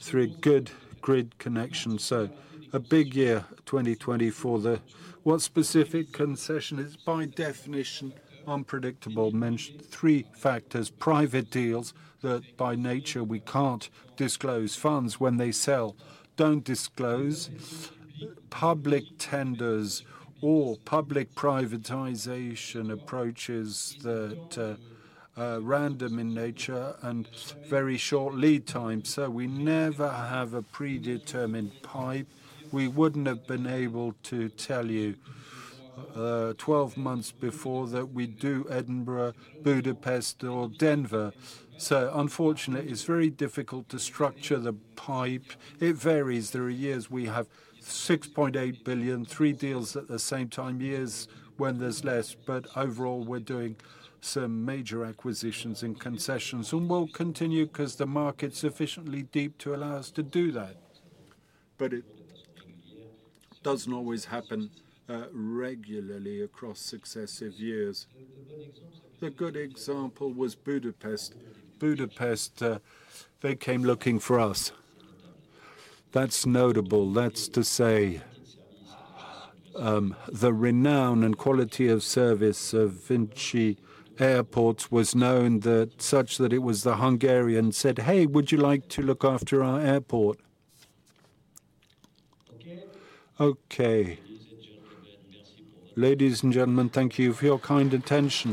through good grid connections. So a big year, 2024. What specific concession is by definition unpredictable? Mentioned three factors: private deals that by nature we can't disclose funds when they sell, don't disclose public tenders or public privatization approaches that are random in nature and very short lead time. So we never have a predetermined pipe. We wouldn't have been able to tell you 12 months before that we do Edinburgh, Budapest, or Denver. Unfortunately, it's very difficult to structure the pipeline. It varies. There are years we have 6.8 billion, three deals at the same time, years when there's less. But overall, we're doing some major acquisitions and concessions. And we'll continue because the market's sufficiently deep to allow us to do that. But it doesn't always happen regularly across successive years. The good example was Budapest. Budapest, they came looking for us. That's notable. That's to say the renown and quality of service of Vinci Airports was known such that it was the Hungarian said, "Hey, would you like to look after our airport?" Okay. Ladies and gentlemen, thank you for your kind attention.